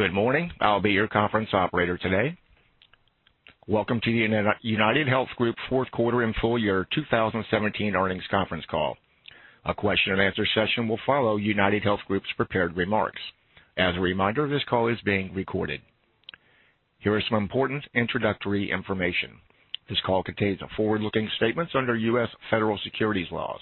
Good morning. I'll be your conference operator today. Welcome to the UnitedHealth Group fourth quarter and full year 2017 earnings conference call. A question and answer session will follow UnitedHealth Group's prepared remarks. As a reminder, this call is being recorded. Here are some important introductory information. This call contains forward-looking statements under U.S. federal securities laws.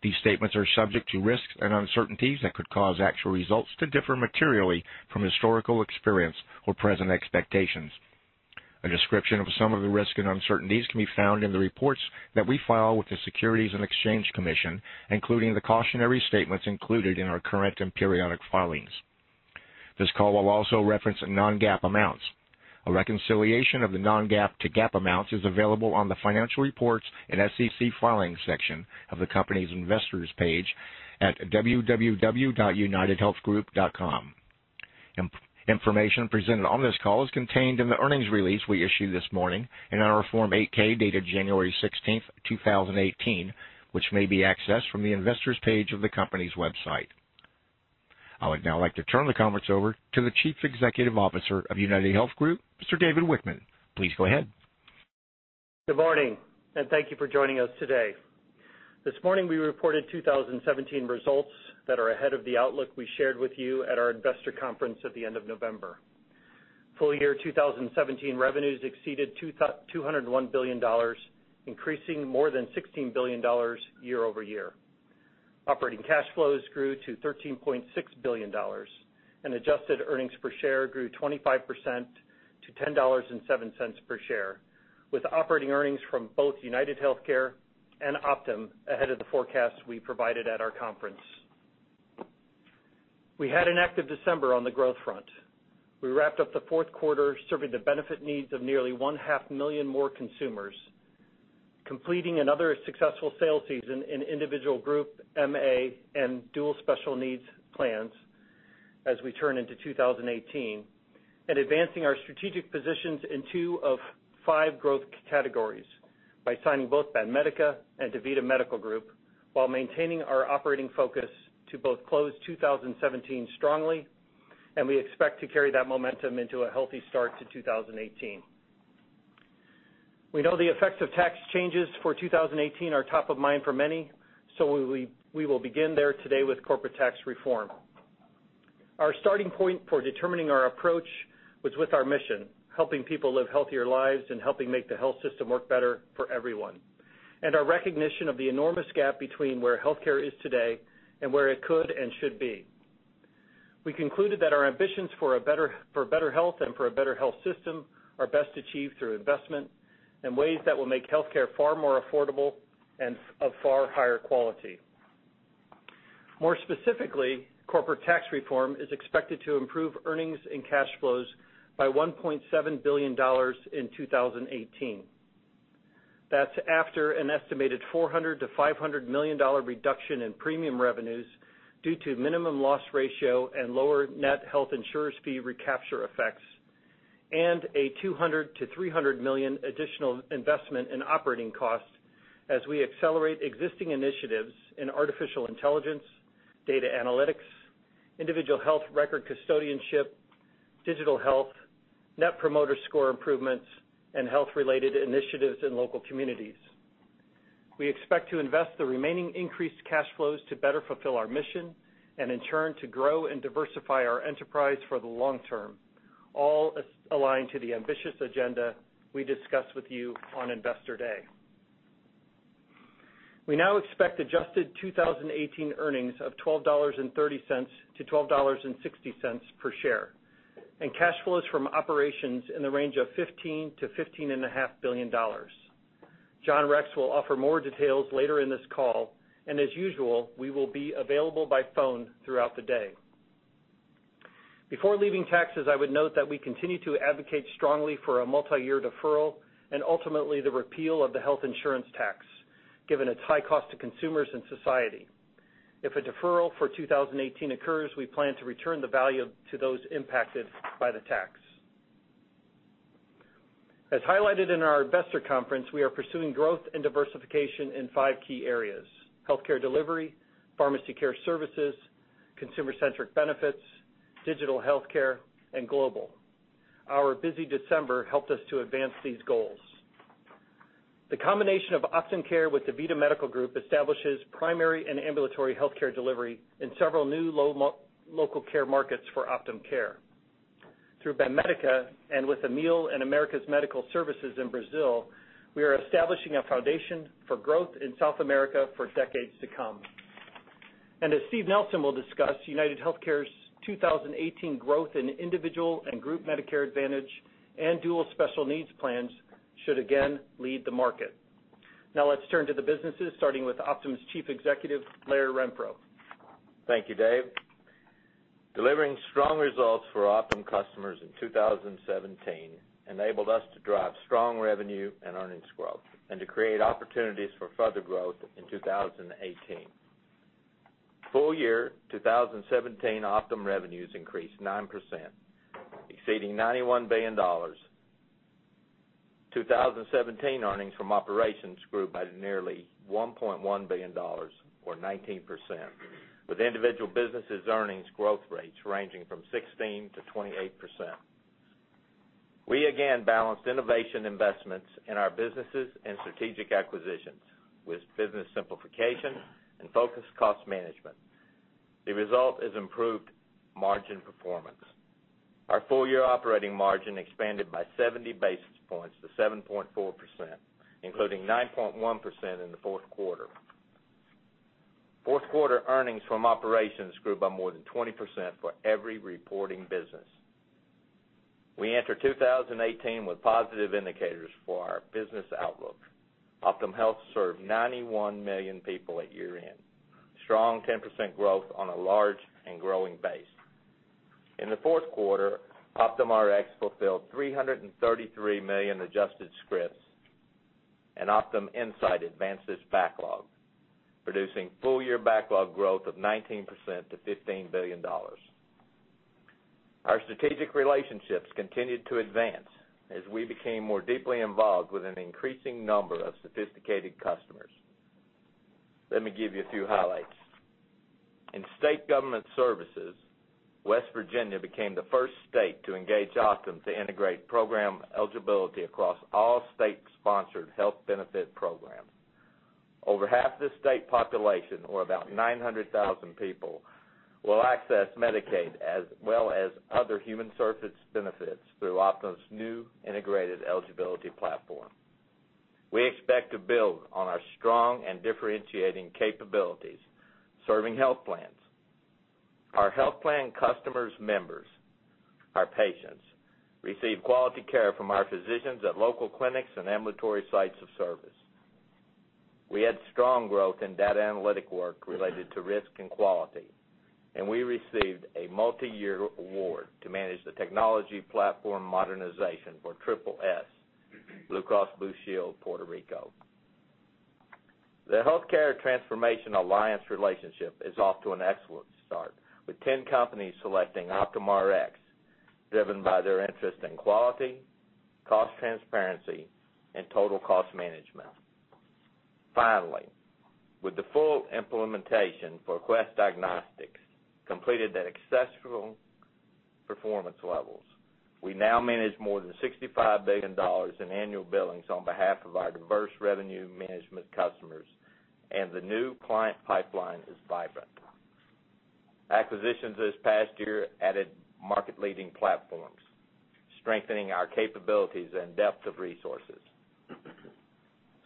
These statements are subject to risks and uncertainties that could cause actual results to differ materially from historical experience or present expectations. A description of some of the risks and uncertainties can be found in the reports that we file with the Securities and Exchange Commission, including the cautionary statements included in our current and periodic filings. This call will also reference non-GAAP amounts. A reconciliation of the non-GAAP to GAAP amounts is available on the financial reports and SEC filings section of the company's investors page at www.unitedhealthgroup.com. Information presented on this call is contained in the earnings release we issued this morning and on our Form 8-K dated January 16th, 2018, which may be accessed from the investors page of the company's website. I would now like to turn the conference over to the Chief Executive Officer of UnitedHealth Group, Mr. David Wichmann. Please go ahead. Good morning. Thank you for joining us today. This morning, we reported 2017 results that are ahead of the outlook we shared with you at our investor conference at the end of November. Full year 2017 revenues exceeded $201 billion, increasing more than $16 billion year-over-year. Operating cash flows grew to $13.6 billion, and adjusted earnings per share grew 25% to $10.07 per share, with operating earnings from both UnitedHealthcare and Optum ahead of the forecast we provided at our conference. We had an active December on the growth front. We wrapped up the fourth quarter serving the benefit needs of nearly one-half million more consumers, completing another successful sales season in individual group MA and dual special needs plans as we turn into 2018. Advancing our strategic positions in two of five growth categories by signing both Banmédica and DaVita Medical Group while maintaining our operating focus to both close 2017 strongly. We expect to carry that momentum into a healthy start to 2018. We know the effects of tax changes for 2018 are top of mind for many. We will begin there today with corporate tax reform. Our starting point for determining our approach was with our mission, helping people live healthier lives and helping make the health system work better for everyone. Our recognition of the enormous gap between where healthcare is today and where it could and should be. We concluded that our ambitions for better health and for a better health system are best achieved through investment in ways that will make healthcare far more affordable and of far higher quality. More specifically, corporate tax reform is expected to improve earnings and cash flows by $1.7 billion in 2018. That's after an estimated $400 million-$500 million reduction in premium revenues due to minimum loss ratio and lower net health insurer fee recapture effects and a $200 million-$300 million additional investment in operating costs as we accelerate existing initiatives in artificial intelligence, data analytics, individual health record custodianship, digital health, Net Promoter Score improvements, and health-related initiatives in local communities. We expect to invest the remaining increased cash flows to better fulfill our mission and in turn to grow and diversify our enterprise for the long term, all aligned to the ambitious agenda we discussed with you on Investor Day. We now expect adjusted 2018 earnings of $12.30-$12.60 per share and cash flows from operations in the range of $15 billion-$15.5 billion. John Rex will offer more details later in this call. As usual, we will be available by phone throughout the day. Before leaving taxes, I would note that we continue to advocate strongly for a multi-year deferral and ultimately the repeal of the health insurance tax, given its high cost to consumers and society. If a deferral for 2018 occurs, we plan to return the value to those impacted by the tax. As highlighted in our investor conference, we are pursuing growth and diversification in 5 key areas: healthcare delivery, pharmacy care services, consumer-centric benefits, digital healthcare, and global. Our busy December helped us to advance these goals. The combination of Optum Care with DaVita Medical Group establishes primary and ambulatory healthcare delivery in several new local care markets for Optum Care. Through Banmédica and with Amil and Americas Serviços Médicos in Brazil, we are establishing a foundation for growth in South America for decades to come. As Steve Nelson will discuss, UnitedHealthcare's 2018 growth in individual and group Medicare Advantage and dual special needs plans should again lead the market. Now let's turn to the businesses, starting with Optum's Chief Executive, Larry Renfro. Thank you, Dave. Delivering strong results for Optum customers in 2017 enabled us to drive strong revenue and earnings growth and to create opportunities for further growth in 2018. Full year 2017 Optum revenues increased 9%, exceeding $91 billion. 2017 earnings from operations grew by nearly $1.1 billion or 19%, with individual businesses earnings growth rates ranging from 16%-28%. We again balanced innovation investments in our businesses and strategic acquisitions with business simplification and focused cost management. The result is improved margin performance. Our full-year operating margin expanded by 70 basis points to 7.4%, including 9.1% in the fourth quarter. Fourth quarter earnings from operations grew by more than 20% for every reporting business. We enter 2018 with positive indicators for our business outlook. OptumHealth served 91 million people at year-end, strong 10% growth on a large and growing base. In the fourth quarter, Optum Rx fulfilled 333 million adjusted scripts. Optum Insight advanced its backlog, producing full year backlog growth of 19% to $15 billion. Our strategic relationships continued to advance as we became more deeply involved with an increasing number of sophisticated customers. Let me give you a few highlights. In state government services, West Virginia became the first state to engage Optum to integrate program eligibility across all state-sponsored health benefit programs. Over half the state population, or about 900,000 people, will access Medicaid as well as other human services benefits through Optum's new integrated eligibility platform. We expect to build on our strong and differentiating capabilities serving health plans. Our health plan customers' members, our patients, receive quality care from our physicians at local clinics and ambulatory sites of service. We had strong growth in data analytic work related to risk and quality. We received a multi-year award to manage the technology platform modernization for Triple-S, Blue Cross Blue Shield Puerto Rico. The Health Transformation Alliance relationship is off to an excellent start, with 10 companies selecting Optum Rx, driven by their interest in quality, cost transparency and total cost management. Finally, with the full implementation for Quest Diagnostics completed at exceptional performance levels, we now manage more than $65 billion in annual billings on behalf of our diverse revenue management customers. The new client pipeline is vibrant. Acquisitions this past year added market-leading platforms, strengthening our capabilities and depth of resources.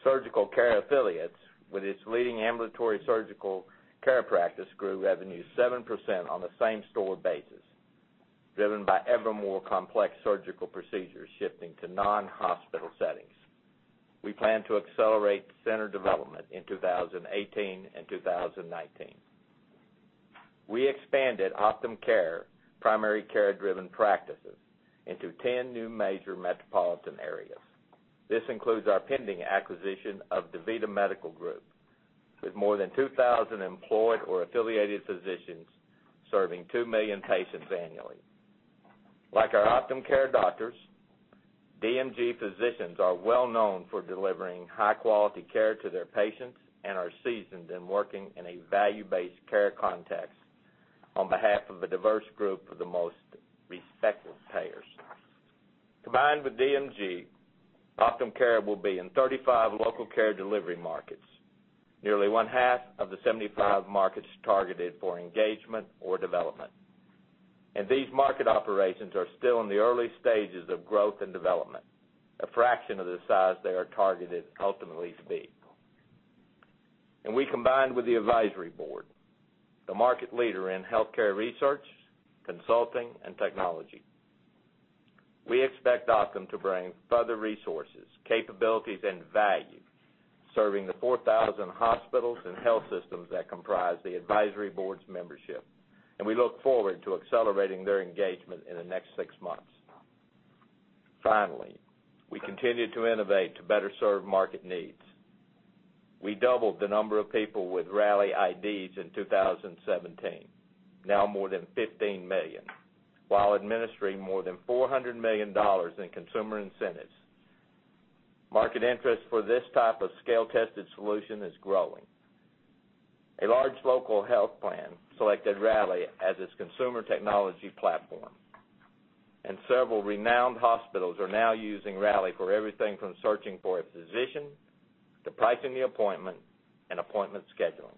Surgical Care Affiliates, with its leading ambulatory surgical care practice, grew revenue 7% on a same-store basis, driven by ever more complex surgical procedures shifting to non-hospital settings. We plan to accelerate center development in 2018 and 2019. We expanded Optum Care primary care-driven practices into 10 new major metropolitan areas. This includes our pending acquisition of DaVita Medical Group, with more than 2,000 employed or affiliated physicians serving 2 million patients annually. Like our Optum Care doctors, DMG physicians are well-known for delivering high-quality care to their patients and are seasoned in working in a value-based care context on behalf of a diverse group of the most respected payers. Combined with DMG, Optum Care will be in 35 local care delivery markets, nearly one-half of the 75 markets targeted for engagement or development. These market operations are still in the early stages of growth and development, a fraction of the size they are targeted to ultimately be. We combined with The Advisory Board, the market leader in healthcare research, consulting, and technology. We expect Optum to bring further resources, capabilities, and value, serving the 4,000 hospitals and health systems that comprise The Advisory Board's membership. We look forward to accelerating their engagement in the next six months. Finally, we continue to innovate to better serve market needs. We doubled the number of people with Rally IDs in 2017, now more than 15 million, while administering more than $400 million in consumer incentives. Market interest for this type of scale-tested solution is growing. A large local health plan selected Rally as its consumer technology platform. Several renowned hospitals are now using Rally for everything from searching for a physician, to pricing the appointment, and appointment scheduling.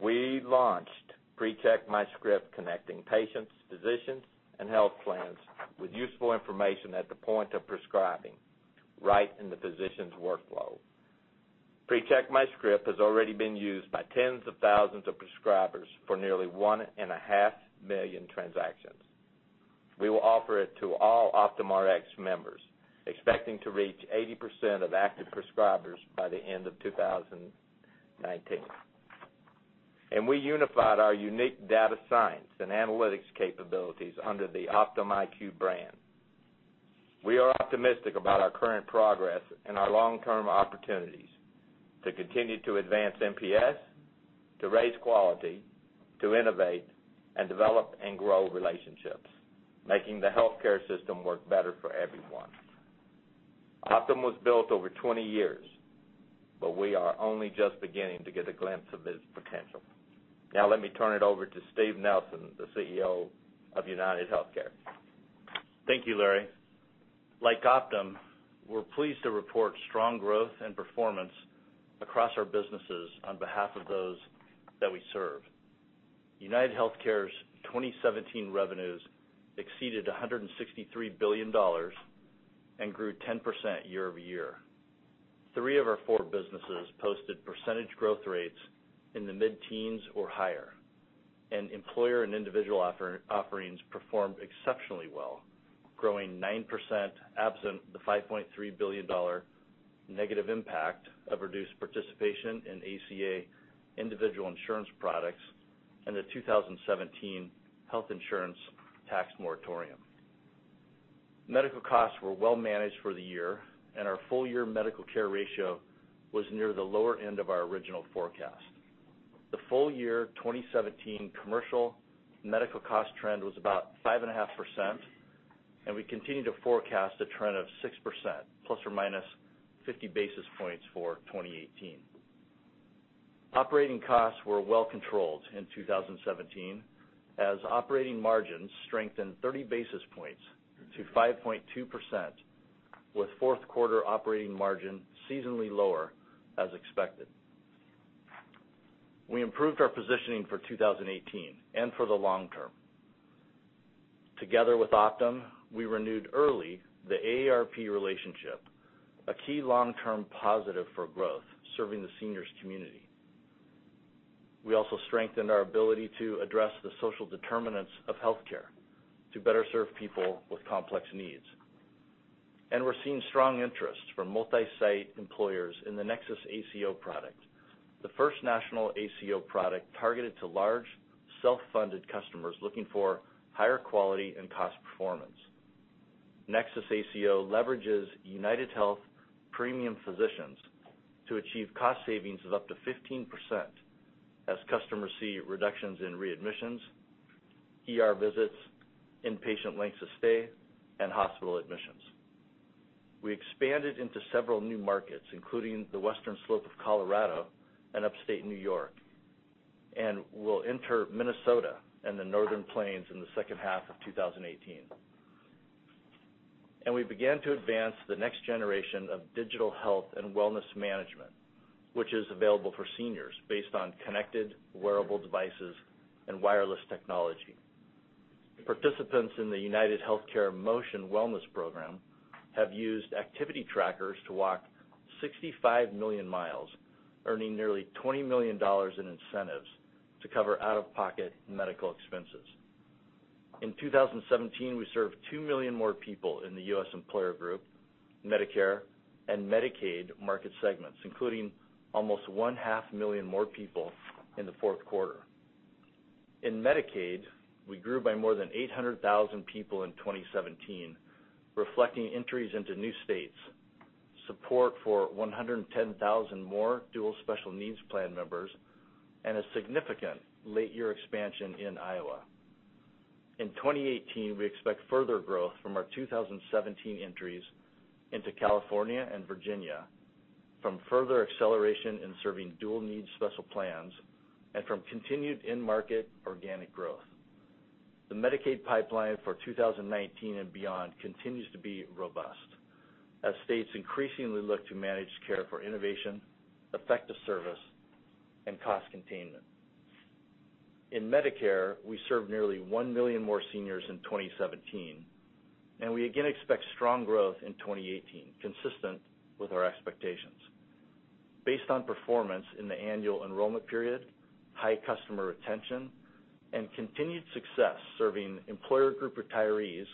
We launched PreCheck My Script connecting patients, physicians, and health plans with useful information at the point of prescribing, right in the physician's workflow. PreCheck My Script has already been used by tens of thousands of prescribers for nearly 1.5 million transactions. We will offer it to all OptumRx members, expecting to reach 80% of active prescribers by the end of 2019. We unified our unique data science and analytics capabilities under the Optum IQ brand. We are optimistic about our current progress and our long-term opportunities to continue to advance NPS to raise quality, to innovate, and develop and grow relationships, making the healthcare system work better for everyone. Optum was built over 20 years, but we are only just beginning to get a glimpse of its potential. Now let me turn it over to Steve Nelson, the CEO of UnitedHealthcare. Thank you, Larry. Like Optum, we are pleased to report strong growth and performance across our businesses on behalf of those that we serve. UnitedHealthcare's 2017 revenues exceeded $163 billion and grew 10% year-over-year. Three of our four businesses posted percentage growth rates in the mid-teens or higher, and employer and individual offerings performed exceptionally well, growing 9% absent the $5.3 billion negative impact of reduced participation in ACA individual insurance products and the 2017 health insurance tax moratorium. Medical costs were well managed for the year, and our full year medical care ratio was near the lower end of our original forecast. The full year 2017 commercial medical cost trend was about 5.5%, and we continue to forecast a trend of 6% ±50 basis points for 2018. Operating costs were well controlled in 2017 as operating margins strengthened 30 basis points to 5.2%, with fourth quarter operating margin seasonally lower as expected. We improved our positioning for 2018 and for the long term. Together with Optum, we renewed early the AARP relationship, a key long-term positive for growth serving the seniors community. We also strengthened our ability to address the social determinants of healthcare to better serve people with complex needs. We are seeing strong interest from multi-site employers in the Nexus ACO product, the first national ACO product targeted to large, self-funded customers looking for higher quality and cost performance. Nexus ACO leverages UnitedHealth Premium physicians to achieve cost savings of up to 15% as customers see reductions in readmissions, ER visits, inpatient lengths of stay, and hospital admissions. We expanded into several new markets, including the Western Slope of Colorado and Upstate New York, and will enter Minnesota and the Northern Plains in the second half of 2018. We began to advance the next generation of digital health and wellness management, which is available for seniors based on connected wearable devices and wireless technology. Participants in the UnitedHealthcare Motion wellness program have used activity trackers to walk 65 million miles, earning nearly $20 million in incentives to cover out-of-pocket medical expenses. In 2017, we served 2 million more people in the U.S. employer group, Medicare and Medicaid market segments, including almost one-half million more people in the fourth quarter. In Medicaid, we grew by more than 800,000 people in 2017, reflecting entries into new states, support for 110,000 more dual special needs plan members, and a significant late year expansion in Iowa. In 2018, we expect further growth from our 2017 entries into California and Virginia, from further acceleration in serving dual needs special plans, and from continued in-market organic growth. The Medicaid pipeline for 2019 and beyond continues to be robust as states increasingly look to managed care for innovation, effective service, and cost containment. In Medicare, we served nearly 1 million more seniors in 2017, and we again expect strong growth in 2018, consistent with our expectations based on performance in the annual enrollment period, high customer retention, and continued success serving employer group retirees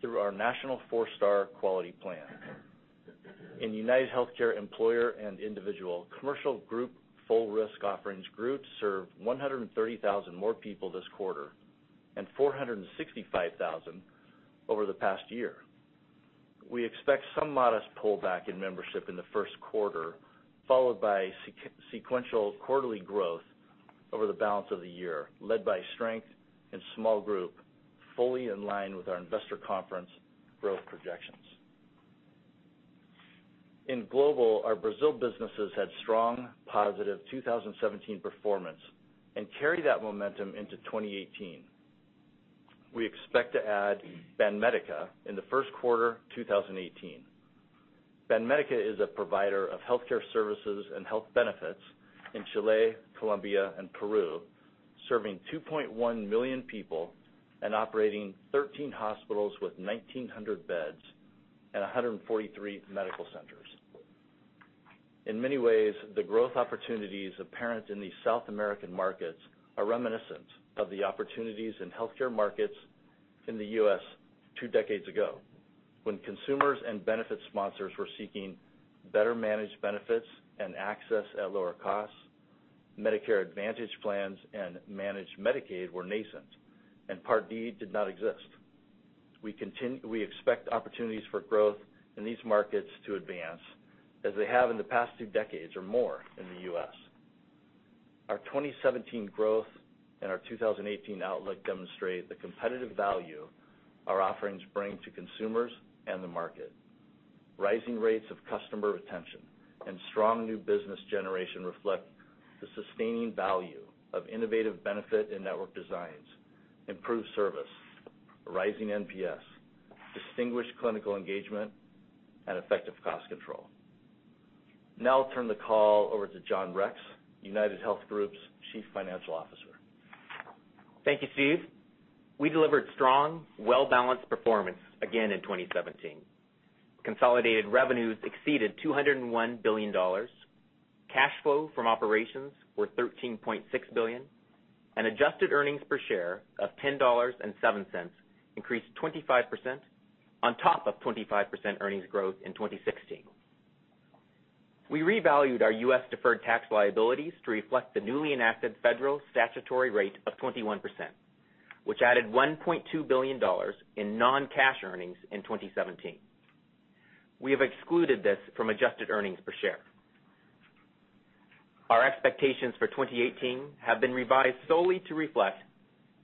through our national 4-star quality plan. In UnitedHealthcare employer and individual commercial group, full risk offerings groups served 130,000 more people this quarter and 465,000 over the past year. We expect some modest pullback in membership in the first quarter, followed by sequential quarterly growth over the balance of the year, led by strength in small group, fully in line with our investor conference growth projections. In global, our Brazil businesses had strong positive 2017 performance and carry that momentum into 2018. We expect to add Banmédica in the first quarter 2018. Banmédica is a provider of healthcare services and health benefits in Chile, Colombia, and Peru, serving 2.1 million people and operating 13 hospitals with 1,900 beds and 143 medical centers. In many ways, the growth opportunities apparent in these South American markets are reminiscent of the opportunities in healthcare markets in the U.S. two decades ago, when consumers and benefit sponsors were seeking better managed benefits and access at lower costs, Medicare Advantage plans and managed Medicaid were nascent and Part D did not exist. We expect opportunities for growth in these markets to advance as they have in the past two decades or more in the U.S. Our 2017 growth and our 2018 outlook demonstrate the competitive value our offerings bring to consumers and the market. Rising rates of customer retention and strong new business generation reflect the sustaining value of innovative benefit and network designs, improved service, rising NPS, distinguished clinical engagement, and effective cost control. I'll turn the call over to John Rex, UnitedHealth Group's Chief Financial Officer. Thank you, Steve. We delivered strong, well-balanced performance again in 2017. Consolidated revenues exceeded $201 billion. Cash flow from operations were $13.6 billion. Adjusted earnings per share of $10.07 increased 25% on top of 25% earnings growth in 2016. We revalued our U.S. deferred tax liabilities to reflect the newly enacted federal statutory rate of 21%, which added $1.2 billion in non-cash earnings in 2017. We have excluded this from adjusted earnings per share. Our expectations for 2018 have been revised solely to reflect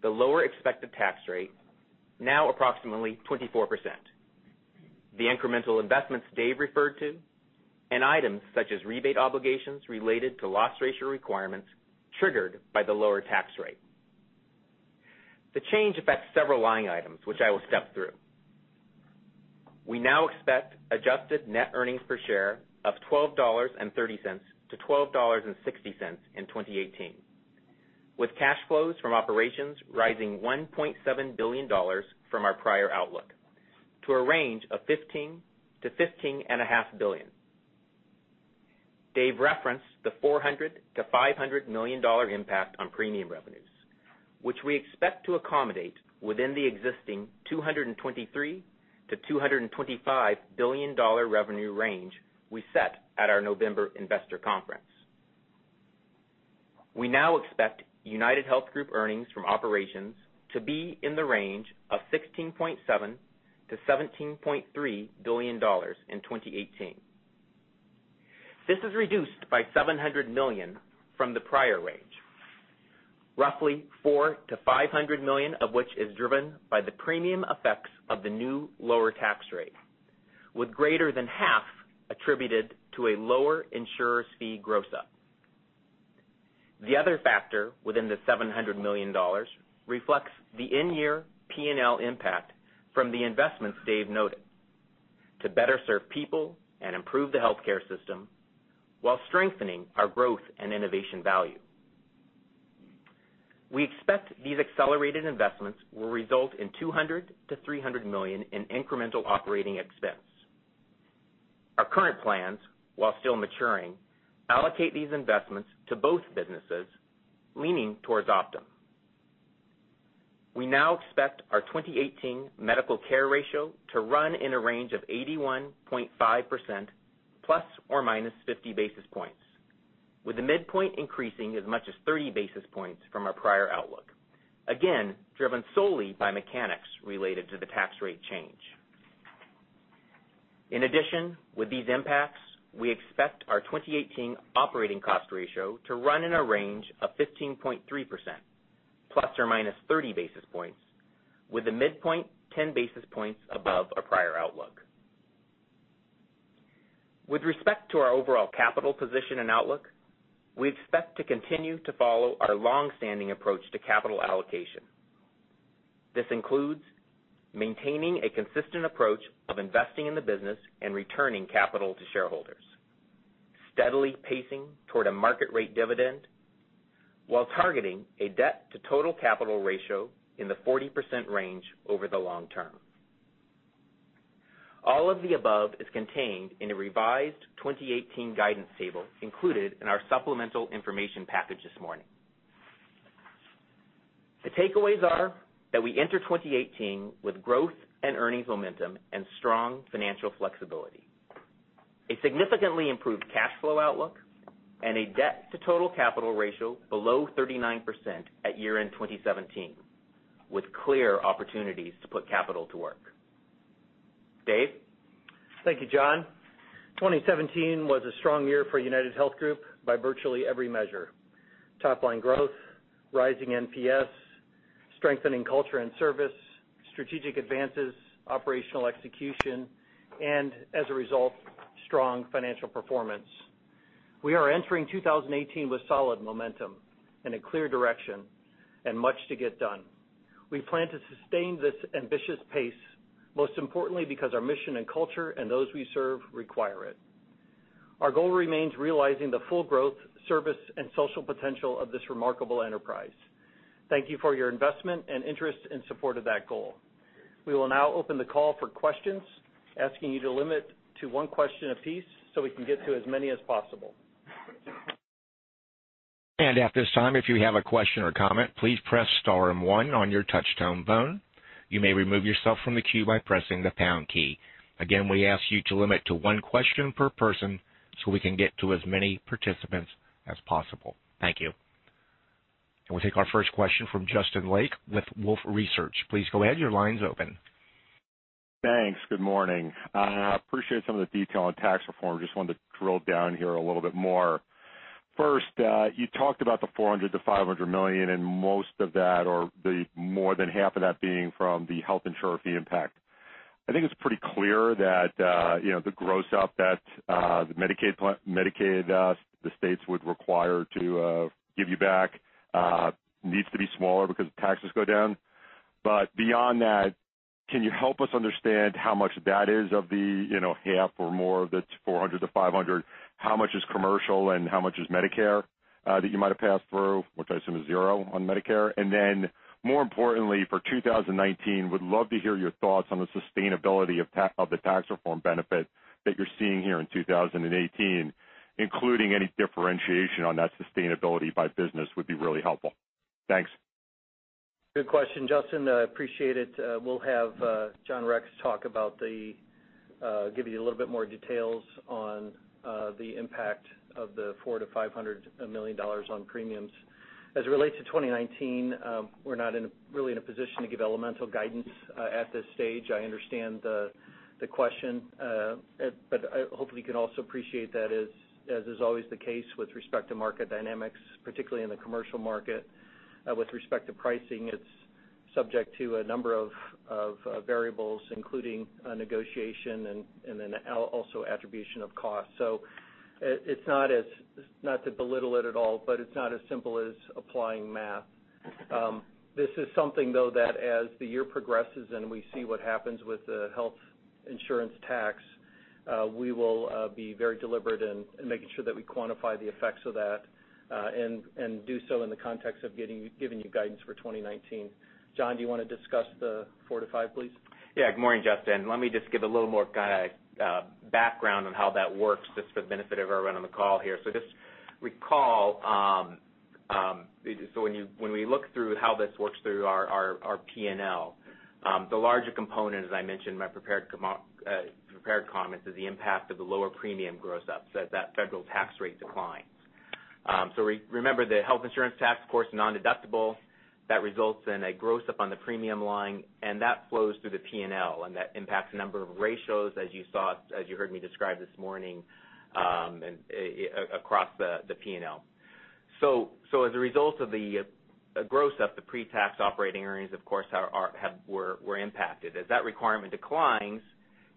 the lower expected tax rate, now approximately 24%, the incremental investments Dave referred to and items such as rebate obligations related to loss ratio requirements triggered by the lower tax rate. The change affects several line items, which I will step through. We now expect adjusted net earnings per share of $12.30-$12.60 in 2018, with cash flows from operations rising $1.7 billion from our prior outlook to a range of $15 billion-$15.5 billion. Dave referenced the $400 million-$500 million impact on premium revenues, which we expect to accommodate within the existing $223 billion-$225 billion revenue range we set at our November investor conference. We now expect UnitedHealth Group earnings from operations to be in the range of $16.7 billion-$17.3 billion in 2018. This is reduced by $700 million from the prior range, roughly $400 million-$500 million of which is driven by the premium effects of the new lower tax rate, with greater than half attributed to a lower insurer fee gross-up. The other factor within the $700 million reflects the in-year P&L impact from the investments Dave noted to better serve people and improve the healthcare system while strengthening our growth and innovation value. We expect these accelerated investments will result in $200 million-$300 million in incremental operating expense. Our current plans, while still maturing, allocate these investments to both businesses, leaning towards Optum. We now expect our 2018 medical care ratio to run in a range of 81.5% ± 50 basis points, with the midpoint increasing as much as 30 basis points from our prior outlook, again, driven solely by mechanics related to the tax rate change. In addition, with these impacts, we expect our 2018 operating cost ratio to run in a range of 15.3% ± 30 basis points, with the midpoint 10 basis points above our prior outlook. With respect to our overall capital position and outlook, we expect to continue to follow our long-standing approach to capital allocation. This includes maintaining a consistent approach of investing in the business and returning capital to shareholders, steadily pacing toward a market rate dividend while targeting a debt to total capital ratio in the 40% range over the long term. All of the above is contained in a revised 2018 guidance table included in our supplemental information package this morning. The takeaways are that we enter 2018 with growth and earnings momentum and strong financial flexibility, a significantly improved cash flow outlook, and a debt to total capital ratio below 39% at year-end 2017, with clear opportunities to put capital to work. Dave? Thank you, John. 2017 was a strong year for UnitedHealth Group by virtually every measure: top-line growth, rising NPS, strengthening culture and service, strategic advances, operational execution, and as a result, strong financial performance. We are entering 2018 with solid momentum and a clear direction and much to get done. We plan to sustain this ambitious pace, most importantly because our mission and culture and those we serve require it. Our goal remains realizing the full growth, service, and social potential of this remarkable enterprise. Thank you for your investment and interest in support of that goal. We will now open the call for questions, asking you to limit to one question apiece so we can get to as many as possible. At this time, if you have a question or comment, please press star and one on your touch-tone phone. You may remove yourself from the queue by pressing the pound key. Again, we ask you to limit to one question per person so we can get to as many participants as possible. Thank you. We'll take our first question from Justin Lake with Wolfe Research. Please go ahead. Your line's open. Thanks. Good morning. I appreciate some of the detail on tax reform. Just wanted to drill down here a little bit more. First, you talked about the $400 million-$500 million, most of that, or the more than half of that being from the health insurer fee impact. I think it's pretty clear that the gross up that the Medicaid, the states would require to give you back needs to be smaller because taxes go down. Beyond that, can you help us understand how much that is of the half or more of the $400 million-$500 million? How much is commercial and how much is Medicare that you might have passed through, which I assume is zero on Medicare? More importantly, for 2019, would love to hear your thoughts on the sustainability of the tax reform benefit that you're seeing here in 2018, including any differentiation on that sustainability by business would be really helpful. Thanks. Good question, Justin. I appreciate it. We'll have John Rex talk about, give you a little bit more details on the impact of the $400 million to $500 million on premiums. As it relates to 2019, we're not really in a position to give elemental guidance at this stage. I understand the question, but hopefully you can also appreciate that as is always the case with respect to market dynamics, particularly in the commercial market, with respect to pricing, it's subject to a number of variables, including negotiation and then also attribution of cost. It's not to belittle it at all, but it's not as simple as applying math. This is something, though, that as the year progresses and we see what happens with the health insurance tax, we will be very deliberate in making sure that we quantify the effects of that, and do so in the context of giving you guidance for 2019. John, do you want to discuss the four to five, please? Good morning, Justin. Let me just give a little more background on how that works just for the benefit of everyone on the call here. Just recall, when we look through how this works through our P&L, the larger component, as I mentioned in my prepared comments, is the impact of the lower premium gross up, as that federal tax rate declines. Remember, the health insurance tax, of course, is nondeductible. That results in a gross up on the premium line, and that flows through the P&L, and that impacts a number of ratios as you heard me describe this morning, across the P&L. As a result of the gross up, the pre-tax operating earnings, of course, were impacted. As that requirement declines,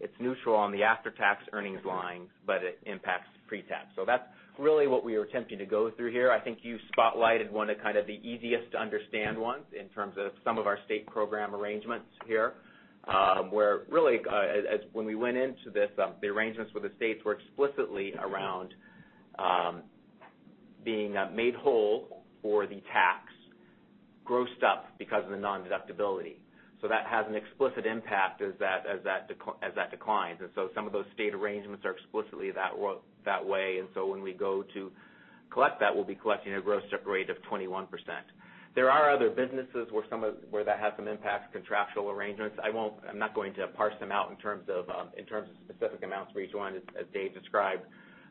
it's neutral on the after-tax earnings lines, but it impacts pre-tax. That's really what we were attempting to go through here. I think you spotlighted one of kind of the easiest to understand ones in terms of some of our state program arrangements here, where really, when we went into this, the arrangements with the states were explicitly around being made whole for the tax grossed up because of the nondeductibility. That has an explicit impact as that declines. Some of those state arrangements are explicitly that way. When we go to collect that, we'll be collecting a gross rate of 21%. There are other businesses where that has some impact, contractual arrangements. I'm not going to parse them out in terms of specific amounts for each one as David described,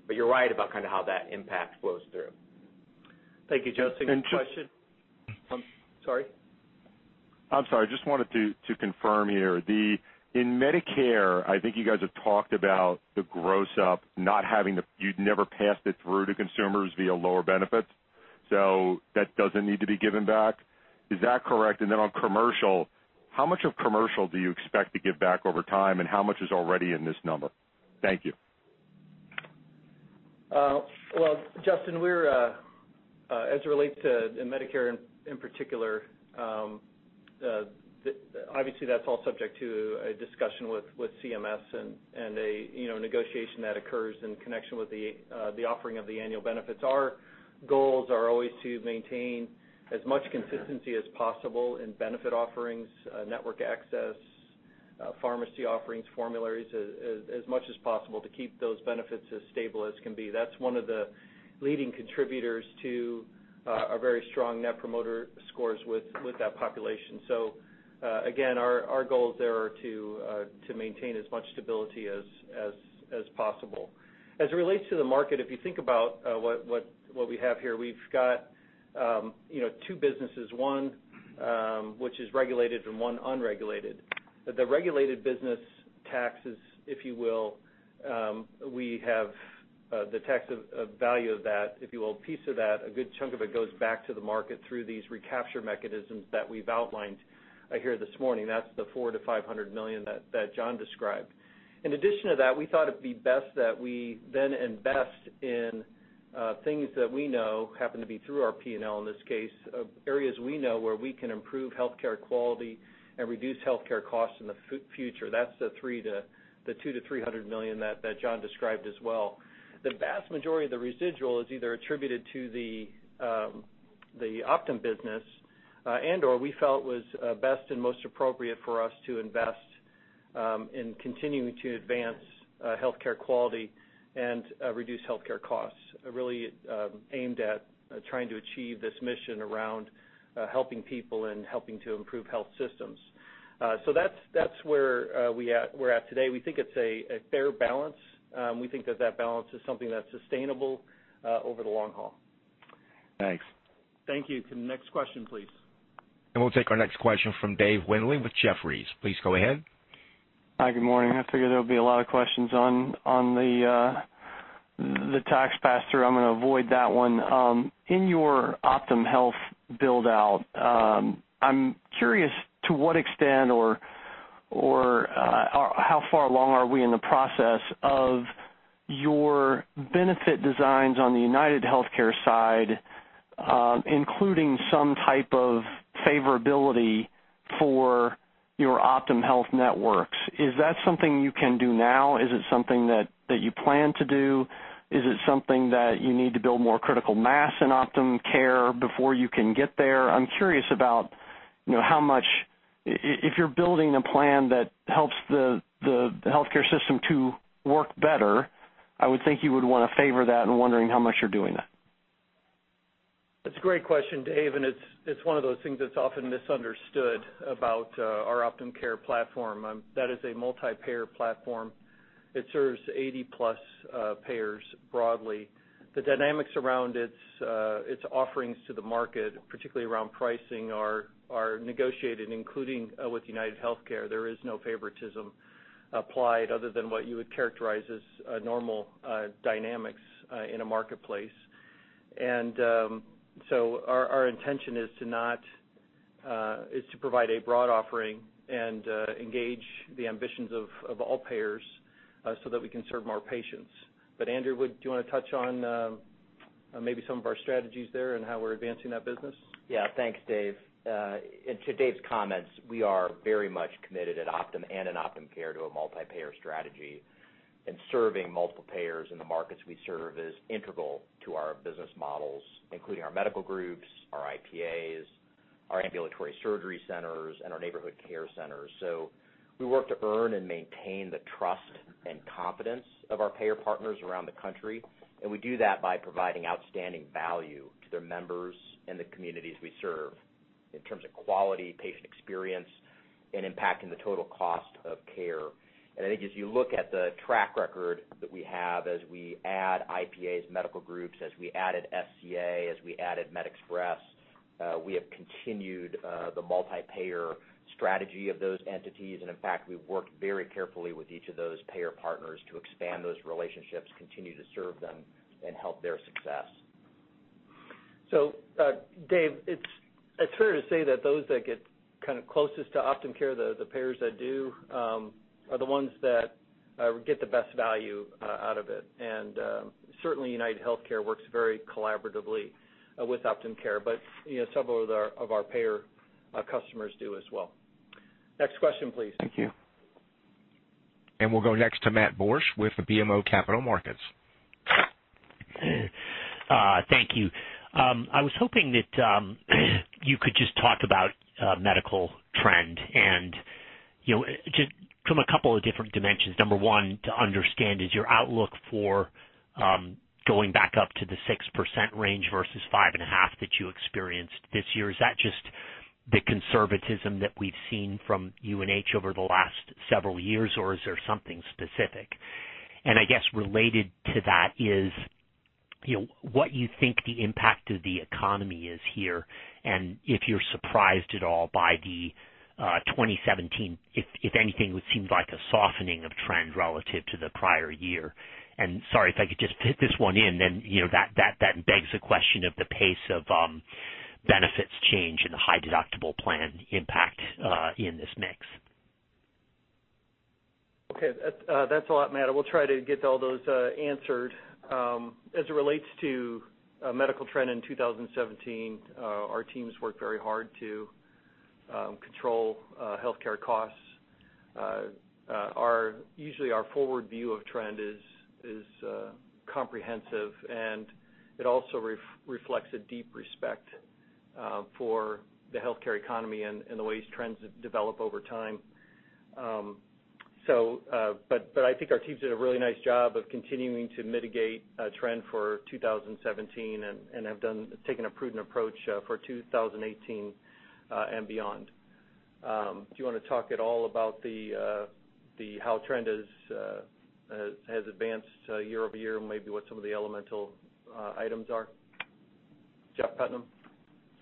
but you're right about kind of how that impact flows through. Thank you, Justin. Good question. Sorry? I'm sorry. Just wanted to confirm here. In Medicare, I think you guys have talked about the gross up not having the-- you'd never passed it through to consumers via lower benefits, so that doesn't need to be given back. Is that correct? On commercial, how much of commercial do you expect to give back over time, and how much is already in this number? Thank you. Well, Justin, as it relates to Medicare in particular, obviously that's all subject to a discussion with CMS and a negotiation that occurs in connection with the offering of the annual benefits. Our goals are always to maintain as much consistency as possible in benefit offerings, network access, pharmacy offerings, formularies, as much as possible to keep those benefits as stable as can be. That's one of the leading contributors to our very strong Net Promoter Scores with that population. Again, our goals there are to maintain as much stability as possible. As it relates to the market, if you think about what we have here, we've got two businesses, one which is regulated and one unregulated. The regulated business taxes, if you will, we have the tax value of that, if you will, piece of that, a good chunk of it goes back to the market through these recapture mechanisms that we've outlined here this morning. That's the $400 million-$500 million that Jon described. In addition to that, we thought it'd be best that we then invest in things that we know, happen to be through our P&L in this case, areas we know where we can improve healthcare quality and reduce healthcare costs in the future. That's the $200 million-$300 million that Jon described as well. The vast majority of the residual is either attributed to the Optum business and/or we felt was best and most appropriate for us to invest in continuing to advance healthcare quality and reduce healthcare costs, really aimed at trying to achieve this mission around helping people and helping to improve health systems. That's where we're at today. We think it's a fair balance. We think that balance is something that's sustainable over the long haul. Thanks. Thank you. To the next question, please. We'll take our next question from Dave Windley with Jefferies. Please go ahead. Hi, good morning. I figure there'll be a lot of questions on the tax pass-through. I'm going to avoid that one. In your OptumHealth build-out, I'm curious to what extent or how far along are we in the process of your benefit designs on the UnitedHealthcare side, including some type of favorability for your OptumHealth networks. Is that something you can do now? Is it something that you plan to do? Is it something that you need to build more critical mass in Optum Care before you can get there? I'm curious about, if you're building a plan that helps the healthcare system to work better, I would think you would want to favor that and wondering how much you're doing that. That's a great question, Dave, and it's one of those things that's often misunderstood about our Optum Care platform. That is a multi-payer platform. It serves 80-plus payers broadly. The dynamics around its offerings to the market, particularly around pricing, are negotiated, including with UnitedHealthcare. There is no favoritism applied other than what you would characterize as normal dynamics in a marketplace. Our intention is to provide a broad offering and engage the ambitions of all payers so that we can serve more patients. Andrew, do you want to touch on maybe some of our strategies there and how we're advancing that business? Yeah. Thanks, Dave. To Dave's comments, we are very much committed at Optum and in Optum Care to a multi-payer strategy, and serving multiple payers in the markets we serve is integral to our business models, including our medical groups, our IPAs, our ambulatory surgery centers, and our neighborhood care centers. We work to earn and maintain the trust and confidence of our payer partners around the country, and we do that by providing outstanding value to their members and the communities we serve in terms of quality, patient experience, and impacting the total cost of care. I think as you look at the track record that we have as we add IPAs, medical groups, as we added SCA, as we added MedExpress, we have continued the multi-payer strategy of those entities. In fact, we've worked very carefully with each of those payer partners to expand those relationships, continue to serve them, and help their success. Dave, it's fair to say that those that get closest to Optum Care, the payers that do, are the ones that get the best value out of it. Certainly, UnitedHealthcare works very collaboratively with Optum Care, several of our payer customers do as well. Next question, please. Thank you. We'll go next to Matthew Borsch with BMO Capital Markets. Thank you. I was hoping that you could just talk about medical trend just from a couple of different dimensions. Number 1 to understand is your outlook for going back up to the 6% range versus 5.5% that you experienced this year. Is that just the conservatism that we've seen from UNH over the last several years, or is there something specific? I guess related to that is what you think the impact of the economy is here, and if you're surprised at all by the 2017, if anything, would seem like a softening of trend relative to the prior year. Sorry, if I could just fit this one in, then that begs the question of the pace of benefits change and the high deductible plan impact in this mix. Okay. That's a lot, Matt. We'll try to get all those answered. As it relates to medical trend in 2017, our teams worked very hard to control healthcare costs. Usually our forward view of trend is comprehensive, and it also reflects a deep respect for the healthcare economy and the way trends develop over time. I think our teams did a really nice job of continuing to mitigate trend for 2017 and have taken a prudent approach for 2018 and beyond. Do you want to talk at all about how trend has advanced year-over-year and maybe what some of the elemental items are? John Rex?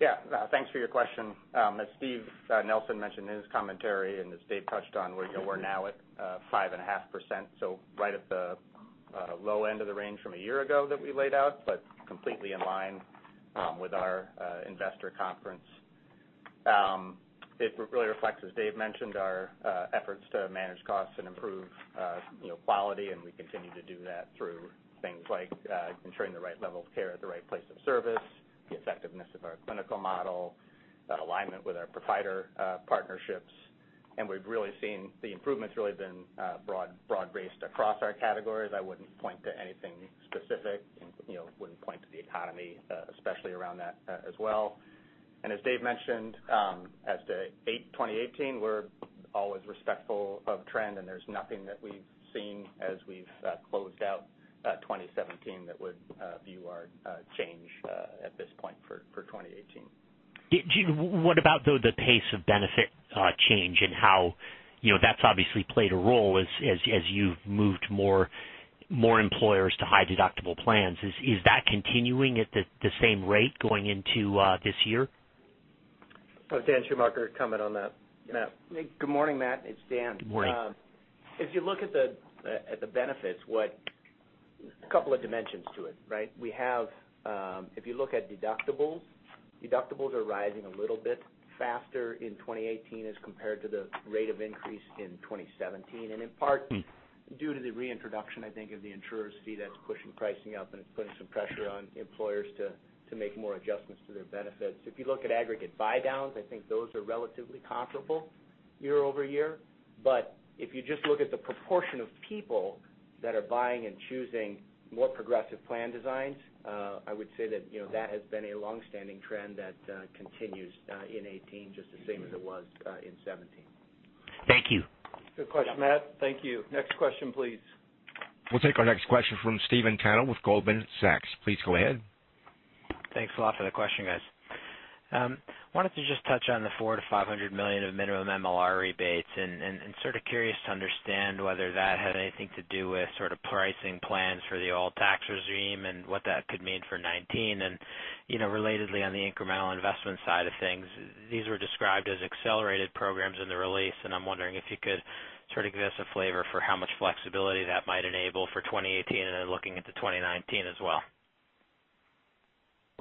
Yeah. Thanks for your question. As Steve Nelson mentioned in his commentary, as Dave touched on, we're now at 5.5%, so right at the low end of the range from a year ago that we laid out, but completely in line with our investor conference. It really reflects, as Dave mentioned, our efforts to manage costs and improve quality, and we continue to do that through things like ensuring the right level of care at the right place of service, the effectiveness of our clinical model, that alignment with our provider partnerships. The improvement's really been broad-based across our categories. I wouldn't point to anything specific and wouldn't point to the economy, especially around that as well. As Dave mentioned, as to 2018, we're always respectful of trend, there's nothing that we've seen as we've closed out 2017 that would view our change at this point for 2018. Gene, what about, though, the pace of benefit change and how that's obviously played a role as you've moved more employers to high-deductible plans. Is that continuing at the same rate going into this year? Dan Schumacher comment on that, Matt. Good morning, Matt. It's Dan. Good morning. If you look at the benefits, couple of dimensions to it, right? If you look at deductibles are rising a little bit faster in 2018 as compared to the rate of increase in 2017, and in part due to the reintroduction, I think, of the insurer fee that's pushing pricing up, and it's putting some pressure on employers to make more adjustments to their benefits. If you look at aggregate buydowns, I think those are relatively comparable year-over-year. If you just look at the proportion of people that are buying and choosing more progressive plan designs, I would say that has been a longstanding trend that continues in 2018, just the same as it was in 2017. Thank you. Good question, Matt. Thank you. Next question, please. We'll take our next question from Steven Valiquette with Goldman Sachs. Please go ahead. Thanks a lot for the question, guys. Wanted to just touch on the $400 million-$500 million of minimum MLR rebates and sort of curious to understand whether that had anything to do with sort of pricing plans for the old tax regime and what that could mean for 2019. Relatedly, on the incremental investment side of things, these were described as accelerated programs in the release, and I'm wondering if you could sort of give us a flavor for how much flexibility that might enable for 2018 and then looking into 2019 as well.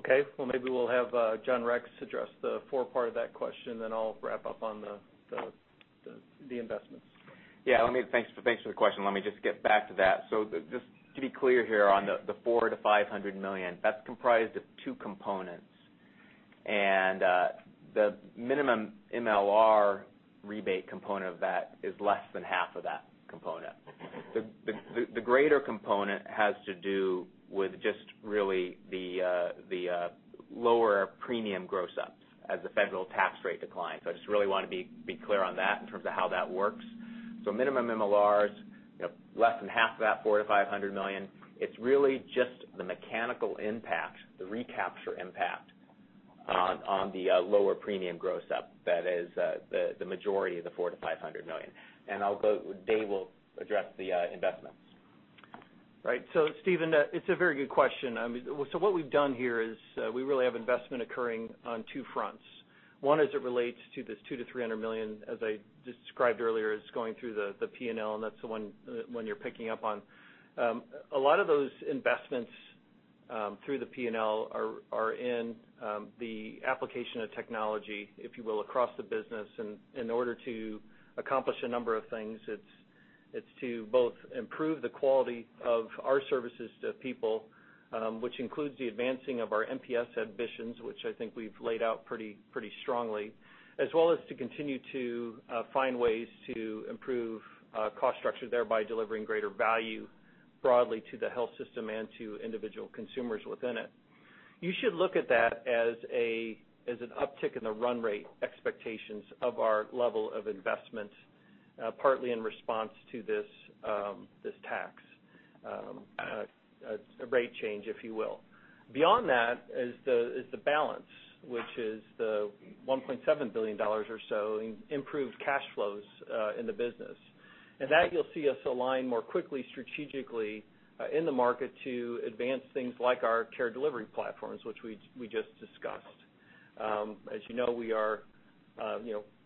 Okay. Well, maybe we'll have John Rex address the fore part of that question, then I'll wrap up on the investments. Yeah. Thanks for the question. Let me just get back to that. Just to be clear here on the $400 million-$500 million, that is comprised of two components. The minimum MLR rebate component of that is less than half of that component. The greater component has to do with just really the lower premium gross-ups as the federal tax rate declines. I just really want to be clear on that in terms of how that works. Minimum MLRs, less than half of that $400 million-$500 million. It is really just the mechanical impact, the recapture impact on the lower premium gross-up that is the majority of the $400 million-$500 million. Dave will address the investments. Right. Steven, it is a very good question. What we have done here is, we really have investment occurring on two fronts. One, as it relates to this $200 million-$300 million, as I described earlier, is going through the P&L, and that is the one you are picking up on. A lot of those investments through the P&L are in the application of technology, if you will, across the business in order to accomplish a number of things. It is to both improve the quality of our services to people, which includes the advancing of our NPS ambitions, which I think we have laid out pretty strongly, as well as to continue to find ways to improve cost structure, thereby delivering greater value broadly to the health system and to individual consumers within it. You should look at that as an uptick in the run rate expectations of our level of investment, partly in response to this tax rate change, if you will. Beyond that is the balance, which is the $1.7 billion or so in improved cash flows in the business. That you will see us align more quickly strategically in the market to advance things like our care delivery platforms, which we just discussed. As you know, we are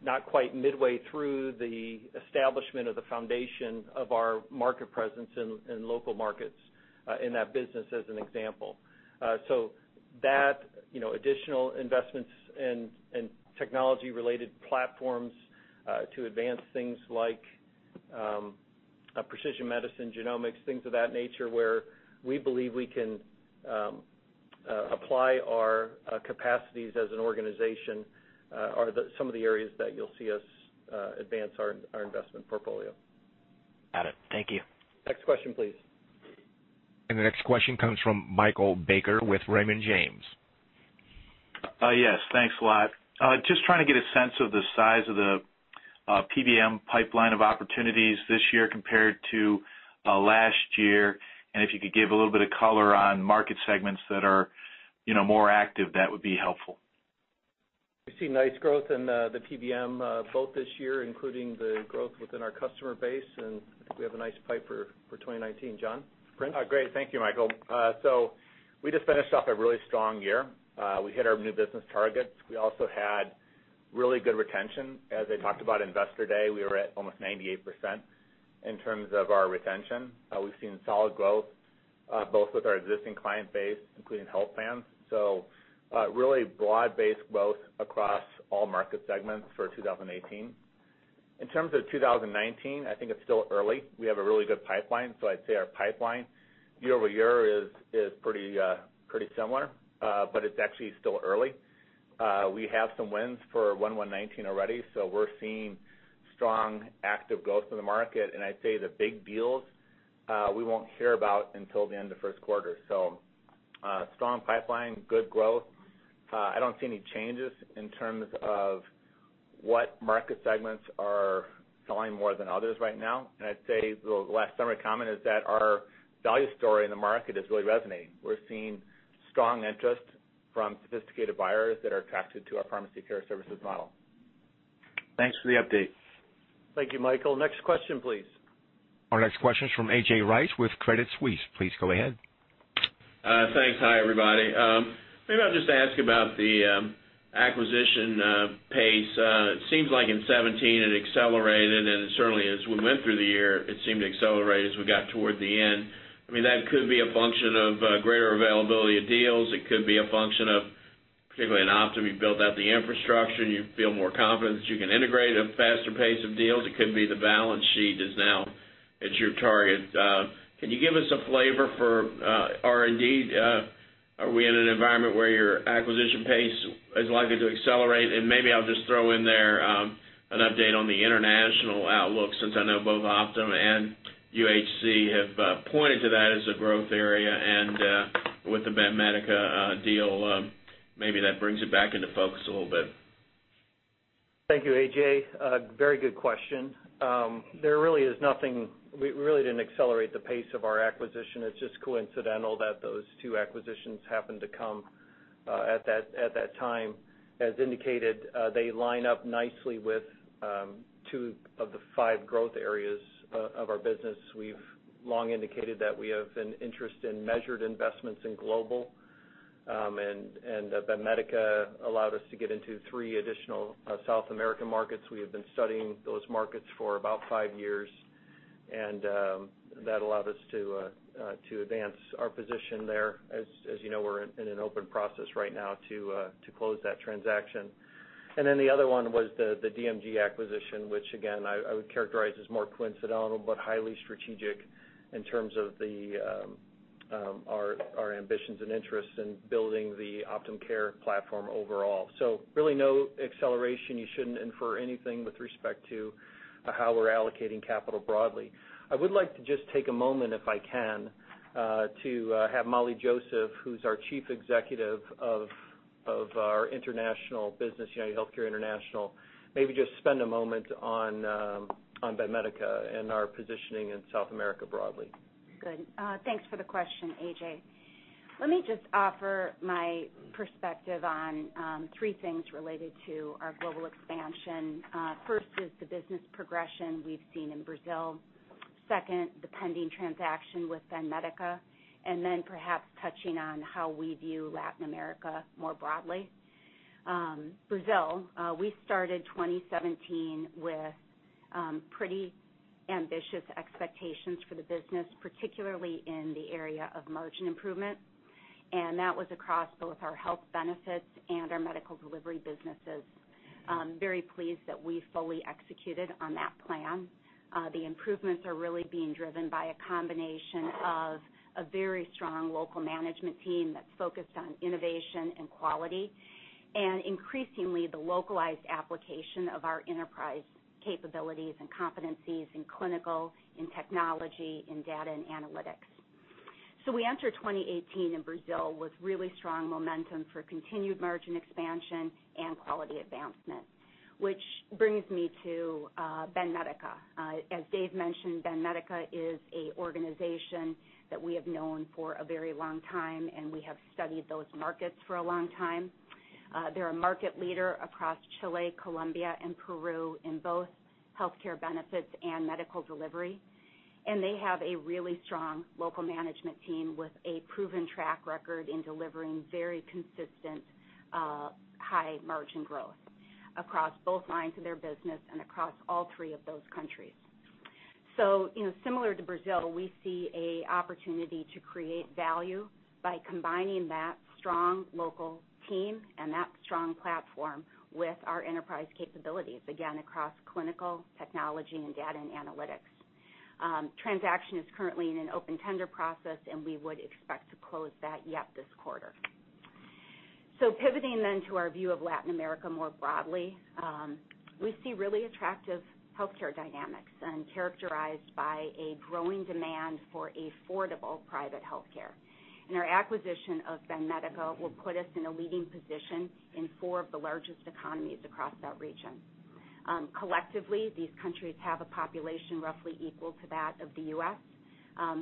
not quite midway through the establishment of the foundation of our market presence in local markets in that business, as an example. That, additional investments in technology-related platforms to advance things like precision medicine, genomics, things of that nature, where we believe we can apply our capacities as an organization, are some of the areas that you will see us advance our investment portfolio. Got it. Thank you. Next question, please. The next question comes from Michael Baker with Raymond James. Yes, thanks a lot. Just trying to get a sense of the size of the PBM pipeline of opportunities this year compared to last year, and if you could give a little bit of color on market segments that are more active, that would be helpful. We've seen nice growth in the PBM both this year, including the growth within our customer base, and I think we have a nice pipe for 2019. John Prince? Great. Thank you, Michael. We just finished off a really strong year. We hit our new business targets. We also had really good retention. As I talked about Investor Day, we were at almost 98% in terms of our retention. We've seen solid growth both with our existing client base, including health plans. Really broad-based growth across all market segments for 2018. In terms of 2019, I think it's still early. We have a really good pipeline. I'd say our pipeline year-over-year is pretty similar, but it's actually still early. We have some wins for 1/1/19 already. We're seeing strong active growth in the market. I'd say the big deals we won't hear about until the end of first quarter. Strong pipeline, good growth. I don't see any changes in terms of- What market segments are selling more than others right now. I'd say the last summary comment is that our value story in the market is really resonating. We're seeing strong interest from sophisticated buyers that are attracted to our pharmacy care services model. Thanks for the update. Thank you, Michael. Next question, please. Our next question is from A.J. Rice with Credit Suisse. Please go ahead. Thanks. Hi, everybody. Maybe I'll just ask about the acquisition pace. It seems like in 2017, it accelerated, and certainly as we went through the year, it seemed to accelerate as we got toward the end. That could be a function of greater availability of deals. It could be a function of, particularly in Optum, you've built out the infrastructure, and you feel more confident that you can integrate at a faster pace of deals. It could be the balance sheet is now at your target. Can you give us a flavor for R&D? Are we in an environment where your acquisition pace is likely to accelerate? Maybe I'll just throw in there an update on the international outlook, since I know both Optum and UHC have pointed to that as a growth area, and with the Banmédica deal, maybe that brings it back into focus a little bit. Thank you, A.J. Very good question. We really didn't accelerate the pace of our acquisition. It's just coincidental that those two acquisitions happened to come at that time. As indicated, they line up nicely with two of the five growth areas of our business. We've long indicated that we have an interest in measured investments in global, and Banmédica allowed us to get into three additional South American markets. We have been studying those markets for about five years, and that allowed us to advance our position there. As you know, we're in an open process right now to close that transaction. The other one was the DMG acquisition, which again, I would characterize as more coincidental but highly strategic in terms of our ambitions and interests in building the Optum Care platform overall. Really no acceleration. You shouldn't infer anything with respect to how we're allocating capital broadly. I would like to just take a moment, if I can, to have Molly Joseph, who's our chief executive of our international business, UnitedHealthcare International, maybe just spend a moment on Banmédica and our positioning in South America broadly. Good. Thanks for the question, A.J. Let me just offer my perspective on three things related to our global expansion. First is the business progression we've seen in Brazil. Second, the pending transaction with Banmédica, then perhaps touching on how we view Latin America more broadly. Brazil, we started 2017 with pretty ambitious expectations for the business, particularly in the area of margin improvement, and that was across both our health benefits and our medical delivery businesses. Very pleased that we fully executed on that plan. The improvements are really being driven by a combination of a very strong local management team that's focused on innovation and quality, increasingly, the localized application of our enterprise capabilities and competencies in clinical, in technology, in data and analytics. We enter 2018 in Brazil with really strong momentum for continued margin expansion and quality advancement, which brings me to Banmédica. As Dave mentioned, Banmédica is a organization that we have known for a very long time, we have studied those markets for a long time. They're a market leader across Chile, Colombia, and Peru in both healthcare benefits and medical delivery. They have a really strong local management team with a proven track record in delivering very consistent high margin growth across both lines of their business and across all three of those countries. Similar to Brazil, we see a opportunity to create value by combining that strong local team and that strong platform with our enterprise capabilities, again, across clinical, technology, and data and analytics. Transaction is currently in an open tender process, we would expect to close that, yep, this quarter. Pivoting then to our view of Latin America more broadly, we see really attractive healthcare dynamics characterized by a growing demand for affordable private healthcare. Our acquisition of Banmédica will put us in a leading position in four of the largest economies across that region. Collectively, these countries have a population roughly equal to that of the U.S.,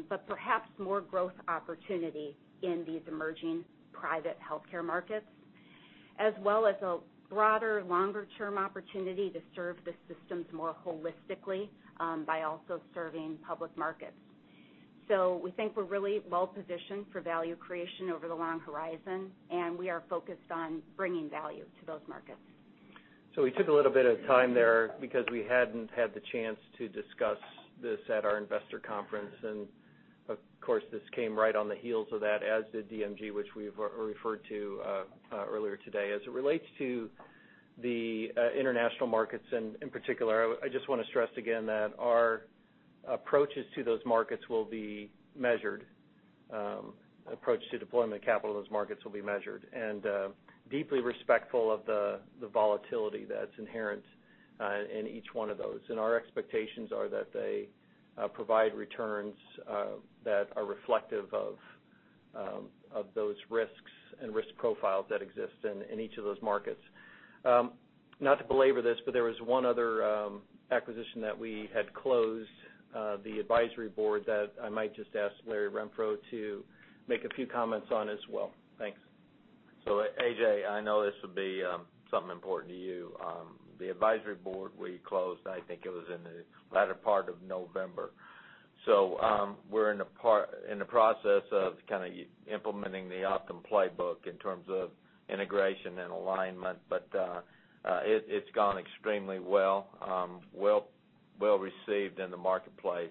but perhaps more growth opportunity in these emerging private healthcare markets, as well as a broader longer-term opportunity to serve the systems more holistically by also serving public markets. We think we're really well-positioned for value creation over the long horizon, we are focused on bringing value to those markets. We took a little bit of time there because we hadn't had the chance to discuss this at our investor conference. Of course, this came right on the heels of that as did DMG, which we've referred to earlier today. As it relates to the international markets in particular, I just want to stress again that our approaches to those markets will be measured. Approach to deployment capital in those markets will be measured and deeply respectful of the volatility that's inherent in each one of those. Our expectations are that they provide returns that are reflective of those risks and risk profiles that exist in each of those markets. Not to belabor this, there was one other acquisition that we had closed, The Advisory Board, that I might just ask Larry Renfro to make a few comments on as well. Thanks. A.J., I know this will be something important to you. The Advisory Board we closed, I think it was in the latter part of November. We're in the process of implementing the Optum playbook in terms of integration and alignment. It's gone extremely well. Well received in the marketplace,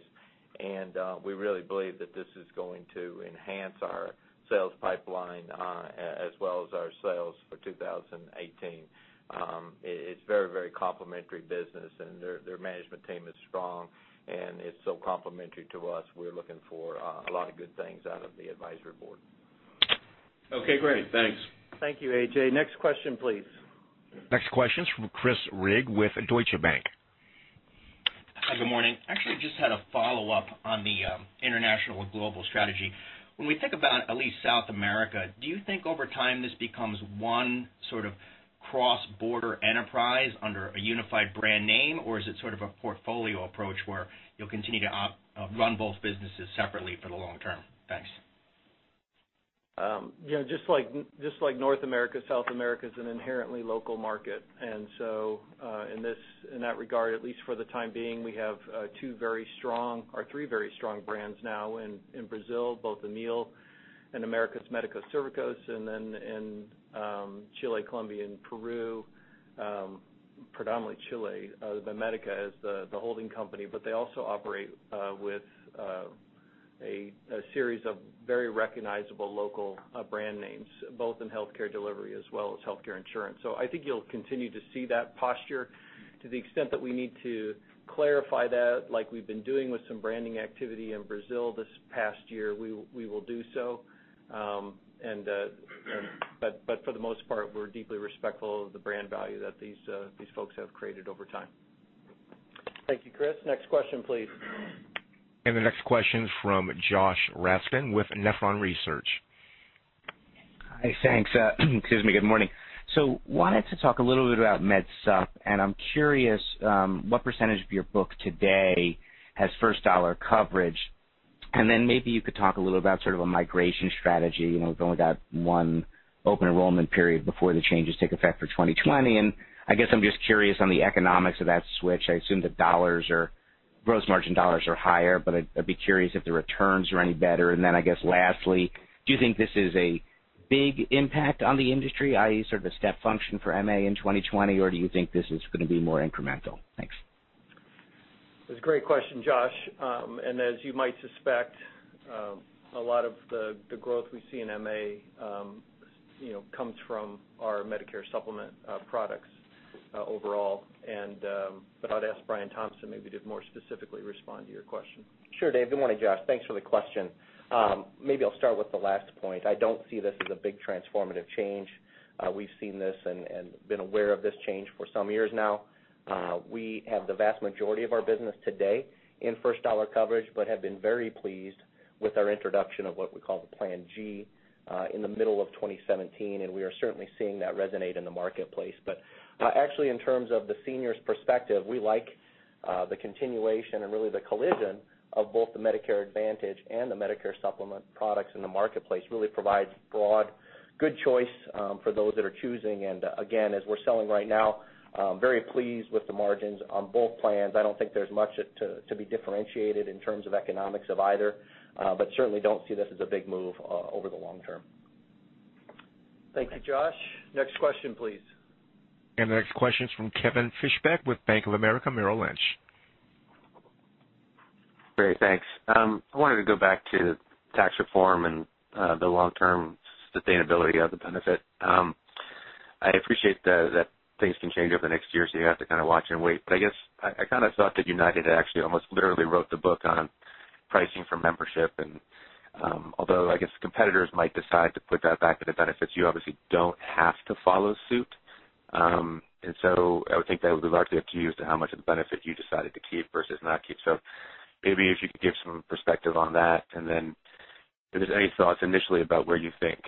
we really believe that this is going to enhance our sales pipeline as well as our sales for 2018. It's very complementary business, their management team is strong, it's so complementary to us. We're looking for a lot of good things out of The Advisory Board. Great. Thanks. Thank you, A.J. Next question, please. Next question is from Chris Rigg with Deutsche Bank. Hi, good morning. Actually, just had a follow-up on the international and global strategy. When we think about at least South America, do you think over time this becomes one sort of cross-border enterprise under a unified brand name? Or is it sort of a portfolio approach where you'll continue to run both businesses separately for the long term? Thanks. Just like North America, South America's an inherently local market. In that regard, at least for the time being, we have two very strong, or three very strong brands now in Brazil, both Amil and Americas Serviços Médicos, and then in Chile, Colombia, and Peru, predominantly Chile. Banmédica is the holding company, but they also operate with a series of very recognizable local brand names, both in healthcare delivery as well as healthcare insurance. I think you'll continue to see that posture. To the extent that we need to clarify that, like we've been doing with some branding activity in Brazil this past year, we will do so. For the most part, we're deeply respectful of the brand value that these folks have created over time. Thank you, Chris. Next question, please. The next question is from Josh Raskin with Nephron Research. Hi, thanks. Excuse me. Good morning. Wanted to talk a little bit about Med Supp, and I'm curious what % of your book today has first dollar coverage. Maybe you could talk a little about sort of a migration strategy, with only that one open enrollment period before the changes take effect for 2020. I guess I'm just curious on the economics of that switch. I assume the gross margin dollars are higher, but I'd be curious if the returns are any better. I guess lastly, do you think this is a big impact on the industry, i.e., sort of a step function for MA in 2020? Do you think this is going to be more incremental? Thanks. It's a great question, Josh. As you might suspect, a lot of the growth we see in MA comes from our Medicare supplement products overall. I'd ask Brian Thompson maybe to more specifically respond to your question. Sure, Dave. Good morning, Josh. Thanks for the question. Maybe I'll start with the last point. I don't see this as a big transformative change. We've seen this and been aware of this change for some years now. We have the vast majority of our business today in first-dollar coverage but have been very pleased with our introduction of what we call the Plan G in the middle of 2017, and we are certainly seeing that resonate in the marketplace. Actually, in terms of the senior's perspective, we like the continuation and really the collision of both the Medicare Advantage and the Medicare supplement products in the marketplace. Really provides broad, good choice for those that are choosing. Again, as we're selling right now, very pleased with the margins on both plans. I don't think there's much to be differentiated in terms of economics of either, but certainly don't see this as a big move over the long term. Thank you, Josh. Next question, please. The next question is from Kevin Fischbeck with Bank of America Merrill Lynch. Great. Thanks. I wanted to go back to tax reform and the long-term sustainability of the benefit. I appreciate that things can change over the next year or so. You have to kind of watch and wait. I guess I kind of thought that United actually almost literally wrote the book on pricing for membership. Although I guess competitors might decide to put that back into benefits, you obviously don't have to follow suit. I would think that would be largely up to you as to how much of the benefit you decided to keep versus not keep. Maybe if you could give some perspective on that. Then if there's any thoughts initially about where you think,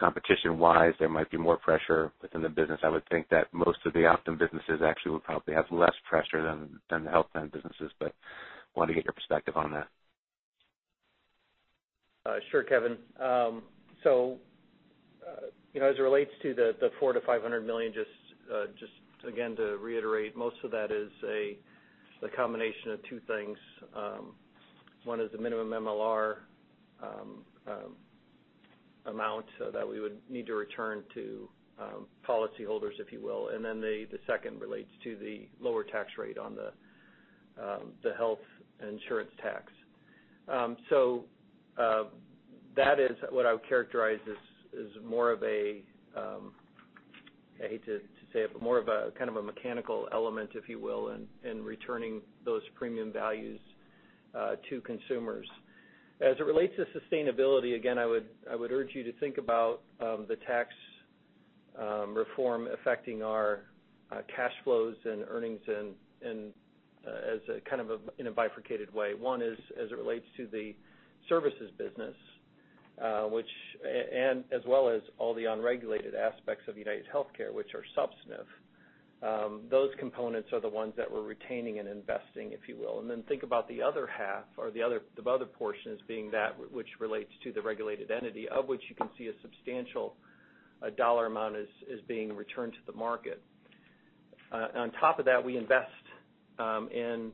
competition-wise, there might be more pressure within the business. I would think that most of the Optum businesses actually would probably have less pressure than the health plan businesses, but wanted to get your perspective on that. Sure, Kevin. As it relates to the $400 million-$500 million, just again, to reiterate, most of that is a combination of two things. One is the minimum MLR amount that we would need to return to policyholders, if you will, and then the second relates to the lower tax rate on the health insurance tax. That is what I would characterize as more of a, I hate to say it, but more of a kind of a mechanical element, if you will, in returning those premium values to consumers. As it relates to sustainability, again, I would urge you to think about the tax reform affecting our cash flows and earnings in a bifurcated way. One is as it relates to the services business, and as well as all the unregulated aspects of UnitedHealthcare, which are substantive. Those components are the ones that we're retaining and investing, if you will. Then think about the other half or the other portion as being that which relates to the regulated entity, of which you can see a substantial dollar amount is being returned to the market. On top of that, we invest in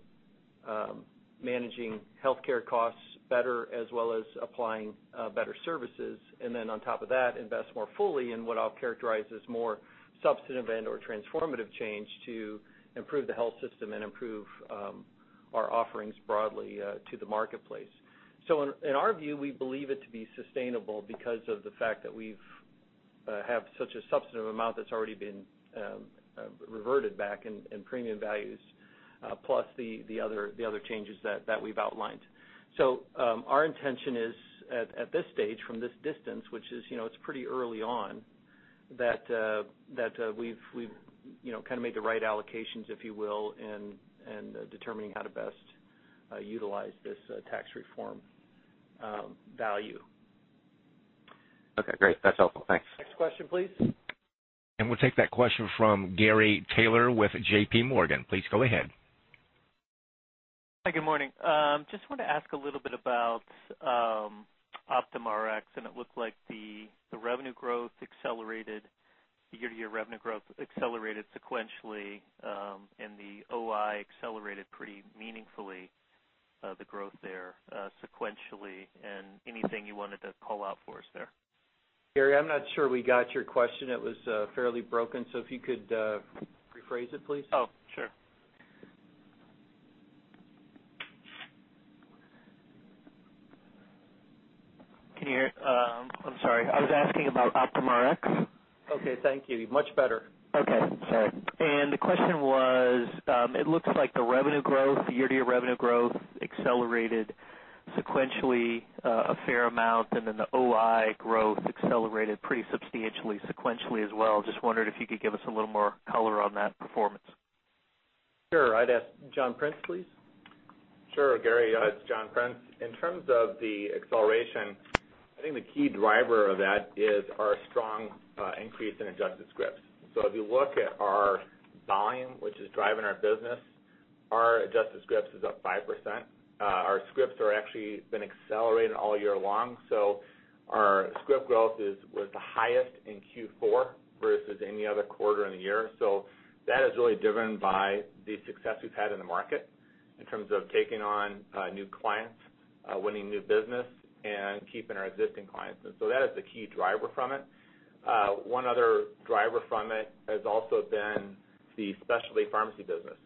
managing healthcare costs better as well as applying better services. Then on top of that, invest more fully in what I'll characterize as more substantive and/or transformative change to improve the health system and improve our offerings broadly to the marketplace. In our view, we believe it to be sustainable because of the fact that we've have such a substantive amount that's already been reverted back in premium values, plus the other changes that we've outlined. Our intention is, at this stage, from this distance, which is pretty early on, that we've made the right allocations, if you will, in determining how to best utilize this tax reform value. Okay, great. That's helpful. Thanks. Next question, please. We'll take that question from Gary Taylor with J.P. Morgan. Please go ahead. Hi, good morning. Just want to ask a little bit about OptumRx, and it looked like the year-to-year revenue growth accelerated sequentially, and the OI accelerated pretty meaningfully, the growth there sequentially, and anything you wanted to call out for us there? Gary, I'm not sure we got your question. It was fairly broken, so if you could rephrase it, please. Oh, sure. Can you hear? I'm sorry. I was asking about OptumRx. Okay, thank you. Much better. Okay, sorry. The question was, it looks like the revenue growth, the year-over-year revenue growth accelerated sequentially a fair amount, and then the OI growth accelerated pretty substantially sequentially as well. Just wondered if you could give us a little more color on that performance. Sure. I'd ask John Prince, please. Sure, Gary, it's John Prince. In terms of the acceleration, I think the key driver of that is our strong increase in adjusted scripts. If you look at our volume, which is driving our business, our adjusted scripts is up 5%. Our scripts are actually been accelerating all year long. Our script growth was the highest in Q4 versus any other quarter in the year. That is really driven by the success we've had in the market in terms of taking on new clients, winning new business, and keeping our existing clients. That is the key driver from it. One other driver from it has also been the specialty pharmacy business.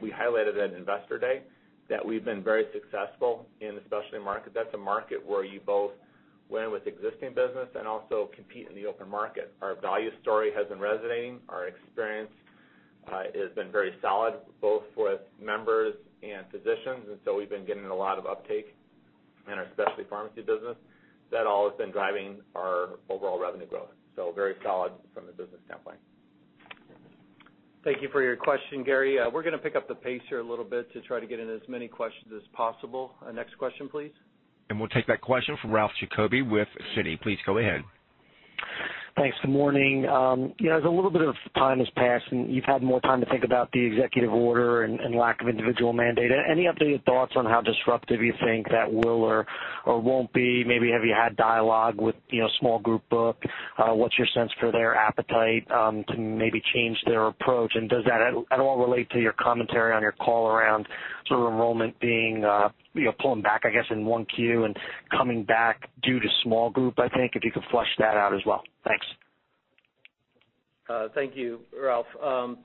We highlighted at Investor Day that we've been very successful in the specialty market. That's a market where you both win with existing business and also compete in the open market. Our value story has been resonating. Our experience has been very solid, both with members and physicians. We've been getting a lot of uptake in our specialty pharmacy business. That all has been driving our overall revenue growth, very solid from a business standpoint. Thank you for your question, Gary. We're going to pick up the pace here a little bit to try to get in as many questions as possible. Next question please. We'll take that question from Ralph Giacobbe with Citi. Please go ahead. Thanks. Good morning. As a little bit of time has passed, you've had more time to think about the executive order and lack of individual mandate, any updated thoughts on how disruptive you think that will or won't be? Maybe have you had dialogue with small group book? What's your sense for their appetite to maybe change their approach? Does that at all relate to your commentary on your call around sort of enrollment pulling back, I guess, in 1Q and coming back due to small group, I think, if you could flesh that out as well. Thanks. Thank you, Ralph. I'll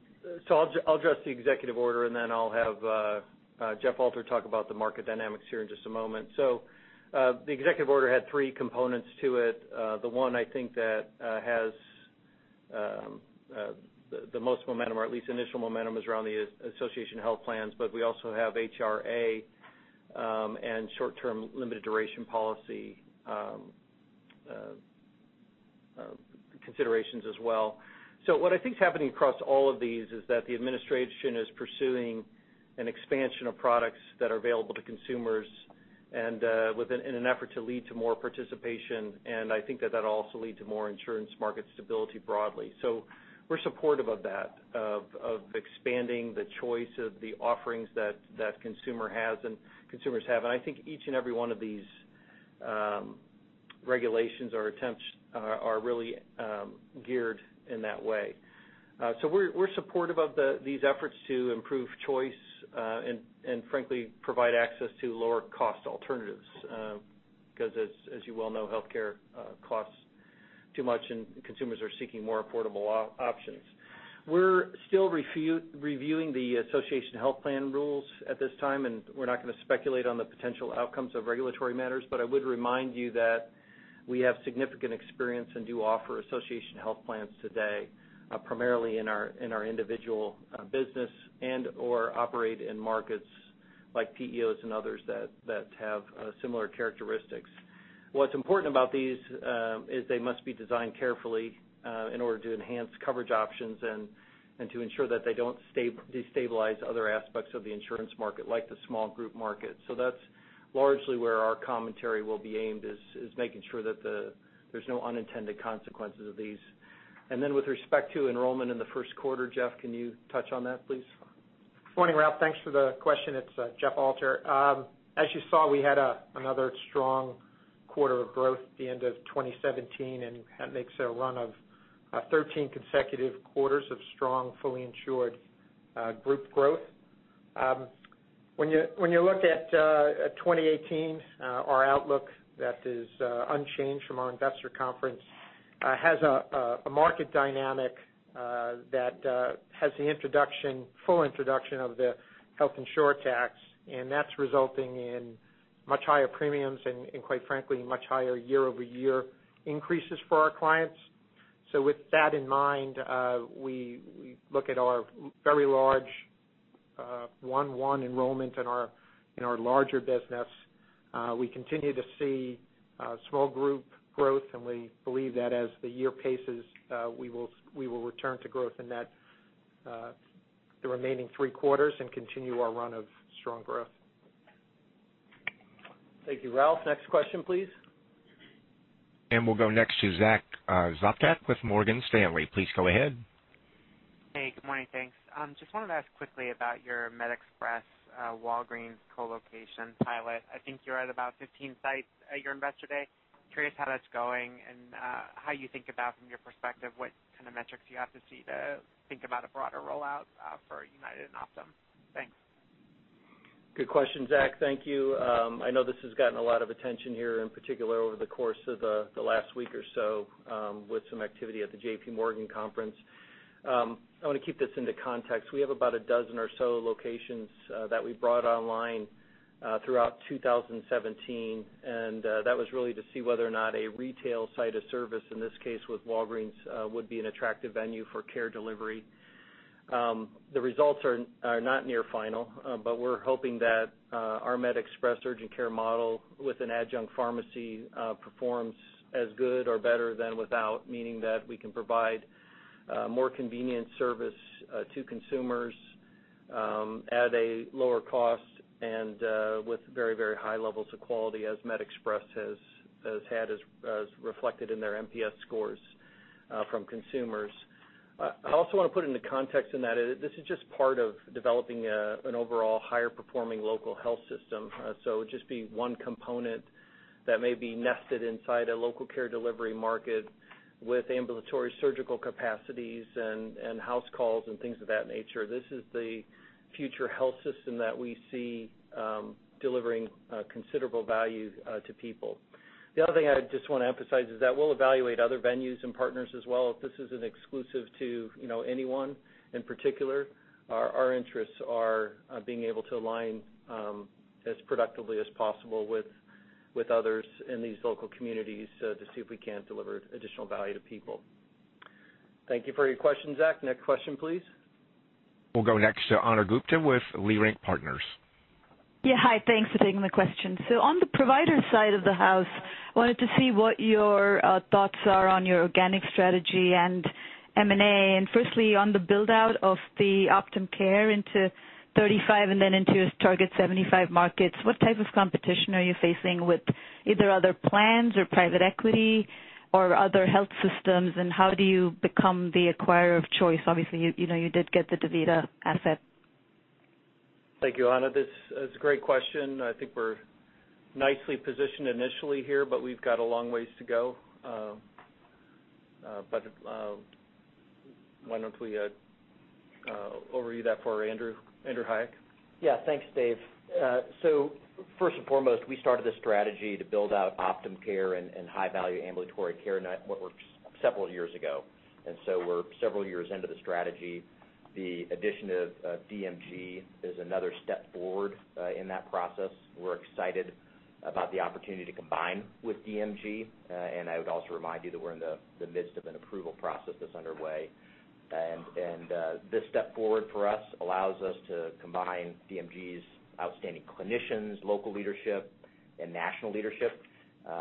address the executive order, and then I'll have Jeff Alter talk about the market dynamics here in just a moment. The executive order had three components to it. The one I think that has the most momentum, or at least initial momentum, is around the association health plans, but we also have HRA and short-term limited duration policy considerations as well. What I think is happening across all of these is that the administration is pursuing an expansion of products that are available to consumers and in an effort to lead to more participation, and I think that that'll also lead to more insurance market stability broadly. We're supportive of that, of expanding the choice of the offerings that consumers have, and I think each and every one of these regulations or attempts are really geared in that way. We're supportive of these efforts to improve choice, and frankly, provide access to lower cost alternatives, because as you well know, healthcare costs too much, and consumers are seeking more affordable options. We're still reviewing the association health plan rules at this time, and we're not going to speculate on the potential outcomes of regulatory matters, but I would remind you that we have significant experience and do offer association health plans today primarily in our individual business and/or operate in markets like PEOs and others that have similar characteristics. What's important about these is they must be designed carefully in order to enhance coverage options and to ensure that they don't destabilize other aspects of the insurance market, like the small group market. That's largely where our commentary will be aimed is making sure that there's no unintended consequences of these. Then with respect to enrollment in the first quarter, Jeff, can you touch on that, please? Morning, Ralph. Thanks for the question. It's Jeff Alter. As you saw, we had another strong quarter of growth at the end of 2017, and that makes it a run of 13 consecutive quarters of strong, fully insured group growth. When you look at 2018, our outlook that is unchanged from our investor conference, has a market dynamic that has the full introduction of the health insurer tax, and that's resulting in much higher premiums and quite frankly, much higher year-over-year increases for our clients. With that in mind, we look at our very large one enrollment in our larger business. We continue to see small group growth, and we believe that as the year paces, we will return to growth in the remaining three quarters and continue our run of strong growth. Thank you, Ralph. Next question, please. We'll go next to Zack Sopcak with Morgan Stanley. Please go ahead. Hey, good morning. Thanks. Just wanted to ask quickly about your MedExpress, Walgreens co-location pilot. I think you're at about 15 sites at your investor day. Curious how that's going and how you think about, from your perspective, what kind of metrics you have to see to think about a broader rollout for United and Optum. Thanks. Good question, Zack. Thank you. I know this has gotten a lot of attention here, in particular over the course of the last week or so with some activity at the J.P. Morgan Healthcare Conference. I want to keep this into context. We have about a dozen or so locations that we brought online throughout 2017, and that was really to see whether or not a retail site of service, in this case with Walgreens, would be an attractive venue for care delivery. The results are not near final, but we're hoping that our MedExpress urgent care model with an adjunct pharmacy performs as good or better than without, meaning that we can provide more convenient service to consumers at a lower cost and with very high levels of quality as MedExpress has had as reflected in their NPS scores from consumers. I also want to put it into context in that this is just part of developing an overall higher performing local health system. It would just be one component that may be nested inside a local care delivery market with ambulatory surgical capacities and house calls and things of that nature. This is the future health system that we see delivering considerable value to people. The other thing I just want to emphasize is that we'll evaluate other venues and partners as well. This isn't exclusive to anyone in particular. Our interests are being able to align as productively as possible with others in these local communities to see if we can deliver additional value to people. Thank you for your question, Zack. Next question, please. We'll go next to Ana Gupte with Leerink Partners. Yeah. Hi. Thanks for taking the question. On the provider side of the house, wanted to see what your thoughts are on your organic strategy and M&A. Firstly, on the build-out of the Optum Care into 35 and then into target 75 markets, what type of competition are you facing with either other plans or private equity or other health systems, and how do you become the acquirer of choice? Obviously, you did get the DaVita asset. Thank you, Ana. This is a great question. I think we're nicely positioned initially here, but we've got a long ways to go. Why don't we over you that for Andrew? Andrew Hayek. Yeah. Thanks, Dave. First and foremost, we started this strategy to build out Optum Care and high value ambulatory care several years ago, and so we're several years into the strategy. The addition of DaVita Medical Group is another step forward in that process. We're excited about the opportunity to combine with DaVita Medical Group. And I would also remind you that we're in the midst of an approval process that's underway. And this step forward for us allows us to combine DaVita Medical Group's outstanding clinicians, local leadership, and national leadership.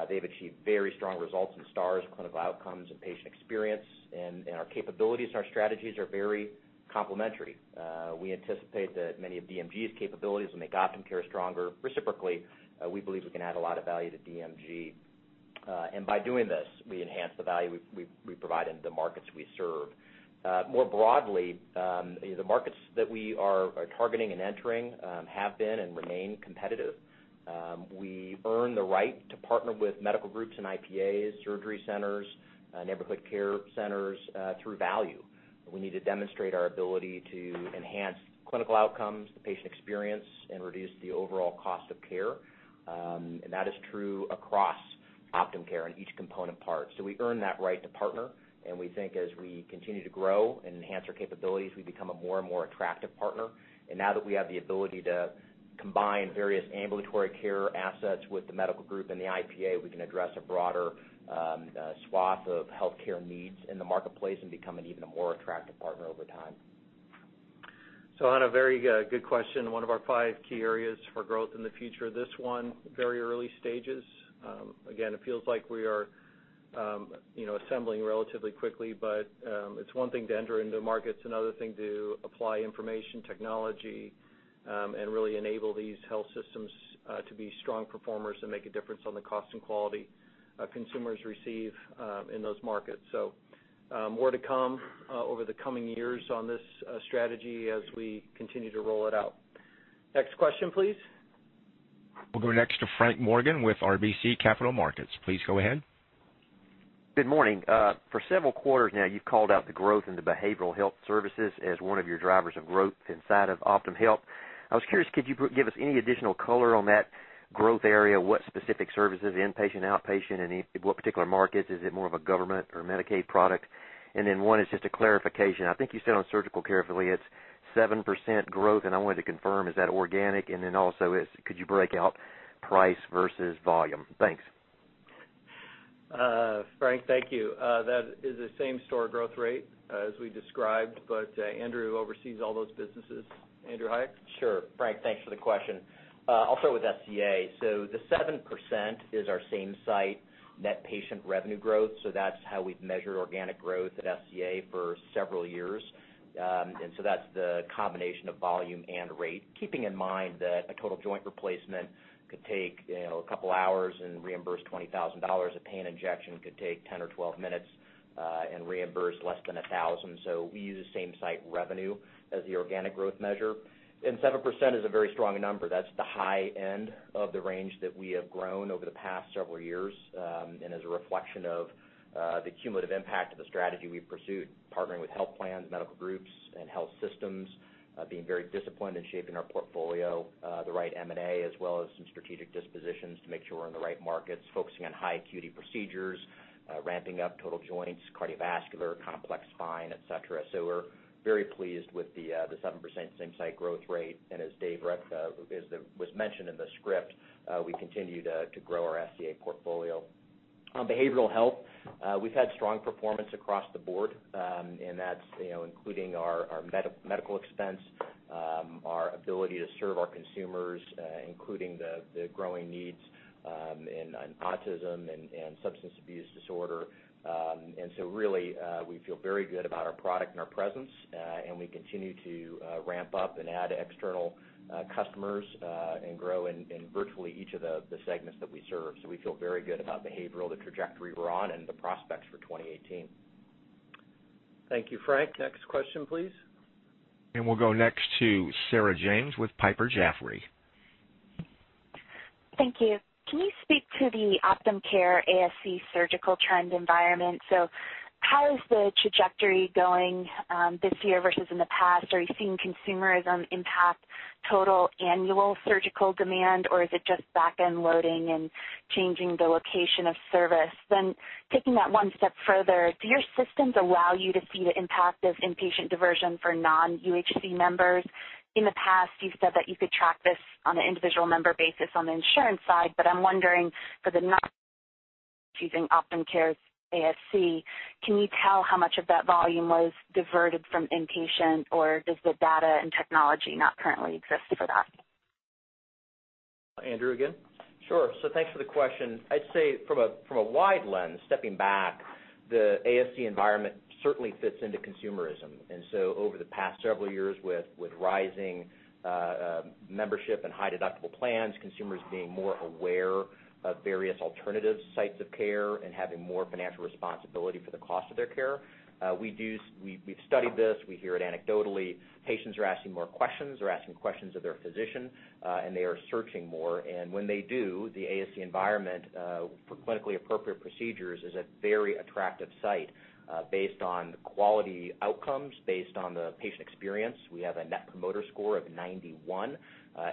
They've achieved very strong results in stars and clinical outcomes and patient experience, and our capabilities and our strategies are very complementary. We anticipate that many of DaVita Medical Group's capabilities will make Optum Care stronger. Reciprocally, we believe we can add a lot of value to DaVita Medical Group. And by doing this, we enhance the value we provide in the markets we serve. More broadly, the markets that we are targeting and entering have been and remain competitive. We earn the right to partner with medical groups and IPAs, surgery centers, neighborhood care centers through value. We need to demonstrate our ability to enhance clinical outcomes, the patient experience, and reduce the overall cost of care. And that is true across Optum Care in each component part. So we earn that right to partner, and we think as we continue to grow and enhance our capabilities, we become a more and more attractive partner. Now that we have the ability to combine various ambulatory care assets with the medical group and the IPA, we can address a broader swath of healthcare needs in the marketplace and become an even more attractive partner over time. Ana, very good question. One of our five key areas for growth in the future. This one, very early stages. Again, it feels like we are assembling relatively quickly, but it's one thing to enter into markets, another thing to apply information technology, and really enable these health systems to be strong performers and make a difference on the cost and quality consumers receive in those markets. So more to come over the coming years on this strategy as we continue to roll it out. Next question, please. We'll go next to Frank Morgan with RBC Capital Markets. Please go ahead. Good morning. For several quarters now, you've called out the growth in the behavioral health services as one of your drivers of growth inside of OptumHealth. I was curious, could you give us any additional color on that growth area? What specific services, inpatient, outpatient, and what particular markets? Is it more of a government or Medicaid product? One is just a clarification. I think you said on Surgical Care, affiliates it's 7% growth, and I wanted to confirm, is that organic? Also, could you break out price versus volume? Thanks. Frank, thank you. That is a same-store growth rate as we described. Andrew oversees all those businesses. Andrew Hayek? Sure. Frank, thanks for the question. I'll start with SCA. The 7% is our same-site net patient revenue growth. That's how we've measured organic growth at SCA for several years. That's the combination of volume and rate. Keeping in mind that a total joint replacement could take a couple of hours and reimburse $20,000. A pain injection could take 10 or 12 minutes, and reimburse less than $1,000. We use the same-site revenue as the organic growth measure. 7% is a very strong number. That's the high end of the range that we have grown over the past several years, and is a reflection of the cumulative impact of the strategy we've pursued, partnering with health plans, medical groups, and health systems, being very disciplined in shaping our portfolio, the right M&A, as well as some strategic dispositions to make sure we're in the right markets, focusing on high acuity procedures, ramping up total joints, cardiovascular, complex spine, et cetera. We're very pleased with the 7% same-site growth rate. As Dave as was mentioned in the script, we continue to grow our SCA portfolio. On behavioral health, we've had strong performance across the board, and that's including our medical expense, our ability to serve our consumers, including the growing needs in autism and substance abuse disorder. Really, we feel very good about our product and our presence, we continue to ramp up and add external customers, grow in virtually each of the segments that we serve. We feel very good about behavioral, the trajectory we're on, and the prospects for 2018. Thank you, Frank. Next question, please. We'll go next to Sarah James with Piper Jaffray. Thank you. Can you speak to the Optum Care ASC surgical trend environment? How is the trajectory going this year versus in the past? Are you seeing consumerism impact total annual surgical demand, or is it just back-end loading and changing the location of service? Taking that one step further, do your systems allow you to see the impact of inpatient diversion for non-UHC members? In the past, you've said that you could track this on an individual member basis on the insurance side, but I'm wondering for the [inaudible] Optum Care ASC, can you tell how much of that volume was diverted from inpatient, or does the data and technology not currently exist for that? Andrew again. Sure. Thanks for the question. I'd say from a wide lens, stepping back, the ASC environment certainly fits into consumerism. Over the past several years with rising membership and high deductible plans, consumers being more aware of various alternative sites of care and having more financial responsibility for the cost of their care. We've studied this. We hear it anecdotally. Patients are asking more questions. They're asking questions of their physician, and they are searching more. When they do, the ASC environment, for clinically appropriate procedures, is a very attractive site, based on quality outcomes, based on the patient experience. We have a Net Promoter Score of 91,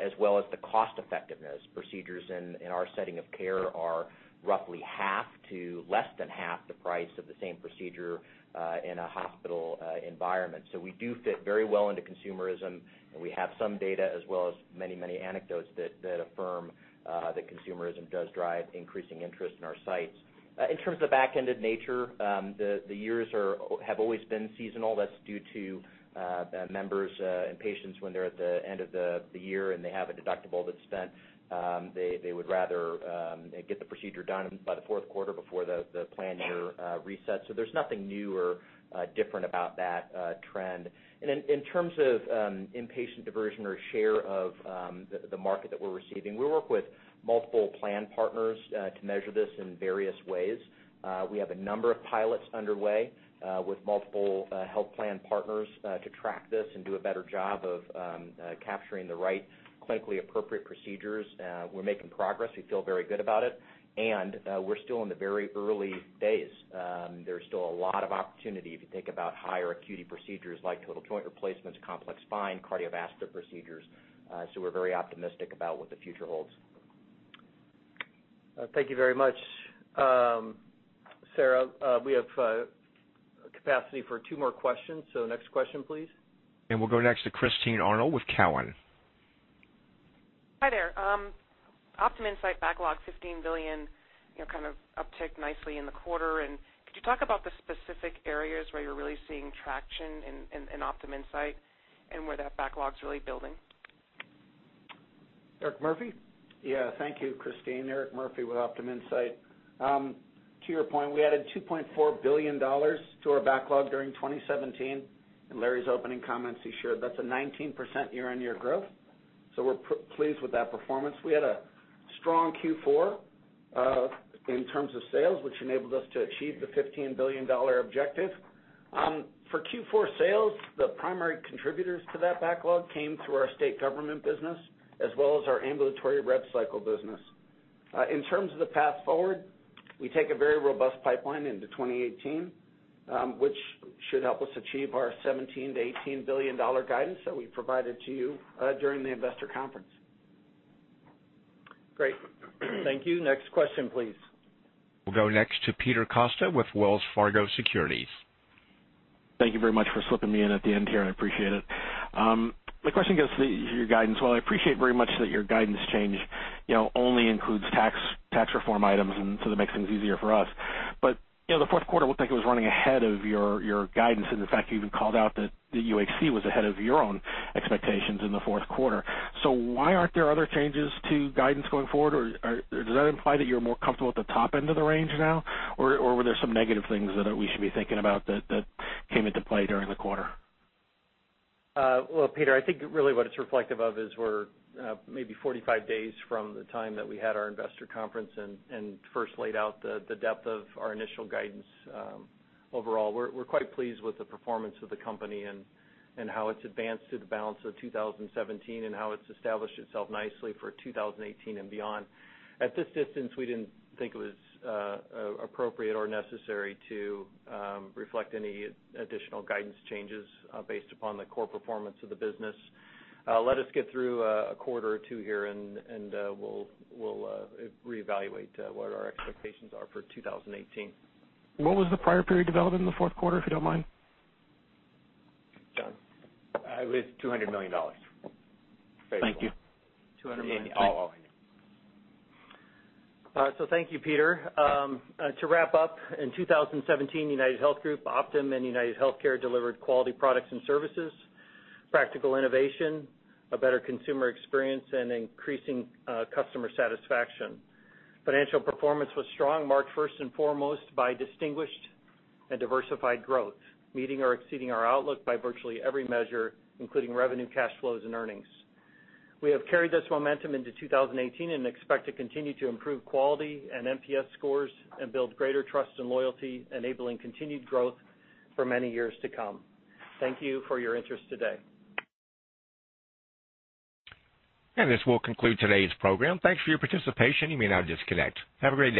as well as the cost effectiveness. Procedures in our setting of care are roughly half to less than half the price of the same procedure, in a hospital environment. We do fit very well into consumerism, and we have some data as well as many anecdotes that affirm that consumerism does drive increasing interest in our sites. In terms of back-ended nature, the years have always been seasonal. That's due to the members and patients when they're at the end of the year and they have a deductible that's spent. They would rather get the procedure done by the fourth quarter before the plan year resets. There's nothing new or different about that trend. In terms of inpatient diversion or share of the market that we're receiving, we work with multiple plan partners to measure this in various ways. We have a number of pilots underway with multiple health plan partners to track this and do a better job of capturing the right clinically appropriate procedures. We're making progress. We feel very good about it. We're still in the very early days. There's still a lot of opportunity if you think about higher acuity procedures like total joint replacements, complex spine, cardiovascular procedures. We're very optimistic about what the future holds. Thank you very much. Sarah, we have capacity for two more questions, next question, please. We'll go next to Christine Arnold with Cowen. Hi there. OptumInsight backlog $15 billion uptick nicely in the quarter. Could you talk about the specific areas where you're really seeing traction in OptumInsight and where that backlog's really building? Eric Murphy? Yeah. Thank you, Christine. Eric Murphy with OptumInsight. To your point, we added $2.4 billion to our backlog during 2017. In Larry's opening comments, he shared that's a 19% year-on-year growth, so we're pleased with that performance. We had a strong Q4 in terms of sales, which enabled us to achieve the $15 billion objective. For Q4 sales, the primary contributors to that backlog came through our state government business as well as our ambulatory rev cycle business. In terms of the path forward, we take a very robust pipeline into 2018, which should help us achieve our $17 billion-$18 billion guidance that we provided to you during the investor conference. Great. Thank you. Next question please. We'll go next to Peter Costa with Wells Fargo Securities. Thank you very much for slipping me in at the end here, I appreciate it. My question goes to your guidance. While I appreciate very much that your guidance change only includes tax reform items, and so that makes things easier for us. The fourth quarter looked like it was running ahead of your guidance, and in fact, you even called out that the UHC was ahead of your own expectations in the fourth quarter. Why aren't there other changes to guidance going forward, or does that imply that you're more comfortable at the top end of the range now? Were there some negative things that we should be thinking about that came into play during the quarter? Well, Peter, I think really what it's reflective of is we're maybe 45 days from the time that we had our investor conference and first laid out the depth of our initial guidance. Overall, we're quite pleased with the performance of the company and how it's advanced through the balance of 2017 and how it's established itself nicely for 2018 and beyond. At this distance, we didn't think it was appropriate or necessary to reflect any additional guidance changes based upon the core performance of the business. Let us get through a quarter or two here, and we'll reevaluate what our expectations are for 2018. What was the prior period development in the fourth quarter, if you don't mind? John? It was $200 million. Thank you. Thank you, Peter. To wrap up, in 2017, UnitedHealth Group, Optum and UnitedHealthcare delivered quality products and services, practical innovation, a better consumer experience, and increasing customer satisfaction. Financial performance was strong, marked first and foremost by distinguished and diversified growth, meeting or exceeding our outlook by virtually every measure, including revenue, cash flows, and earnings. We have carried this momentum into 2018 and expect to continue to improve quality and NPS scores and build greater trust and loyalty, enabling continued growth for many years to come. Thank you for your interest today. This will conclude today's program. Thanks for your participation. You may now disconnect. Have a great day.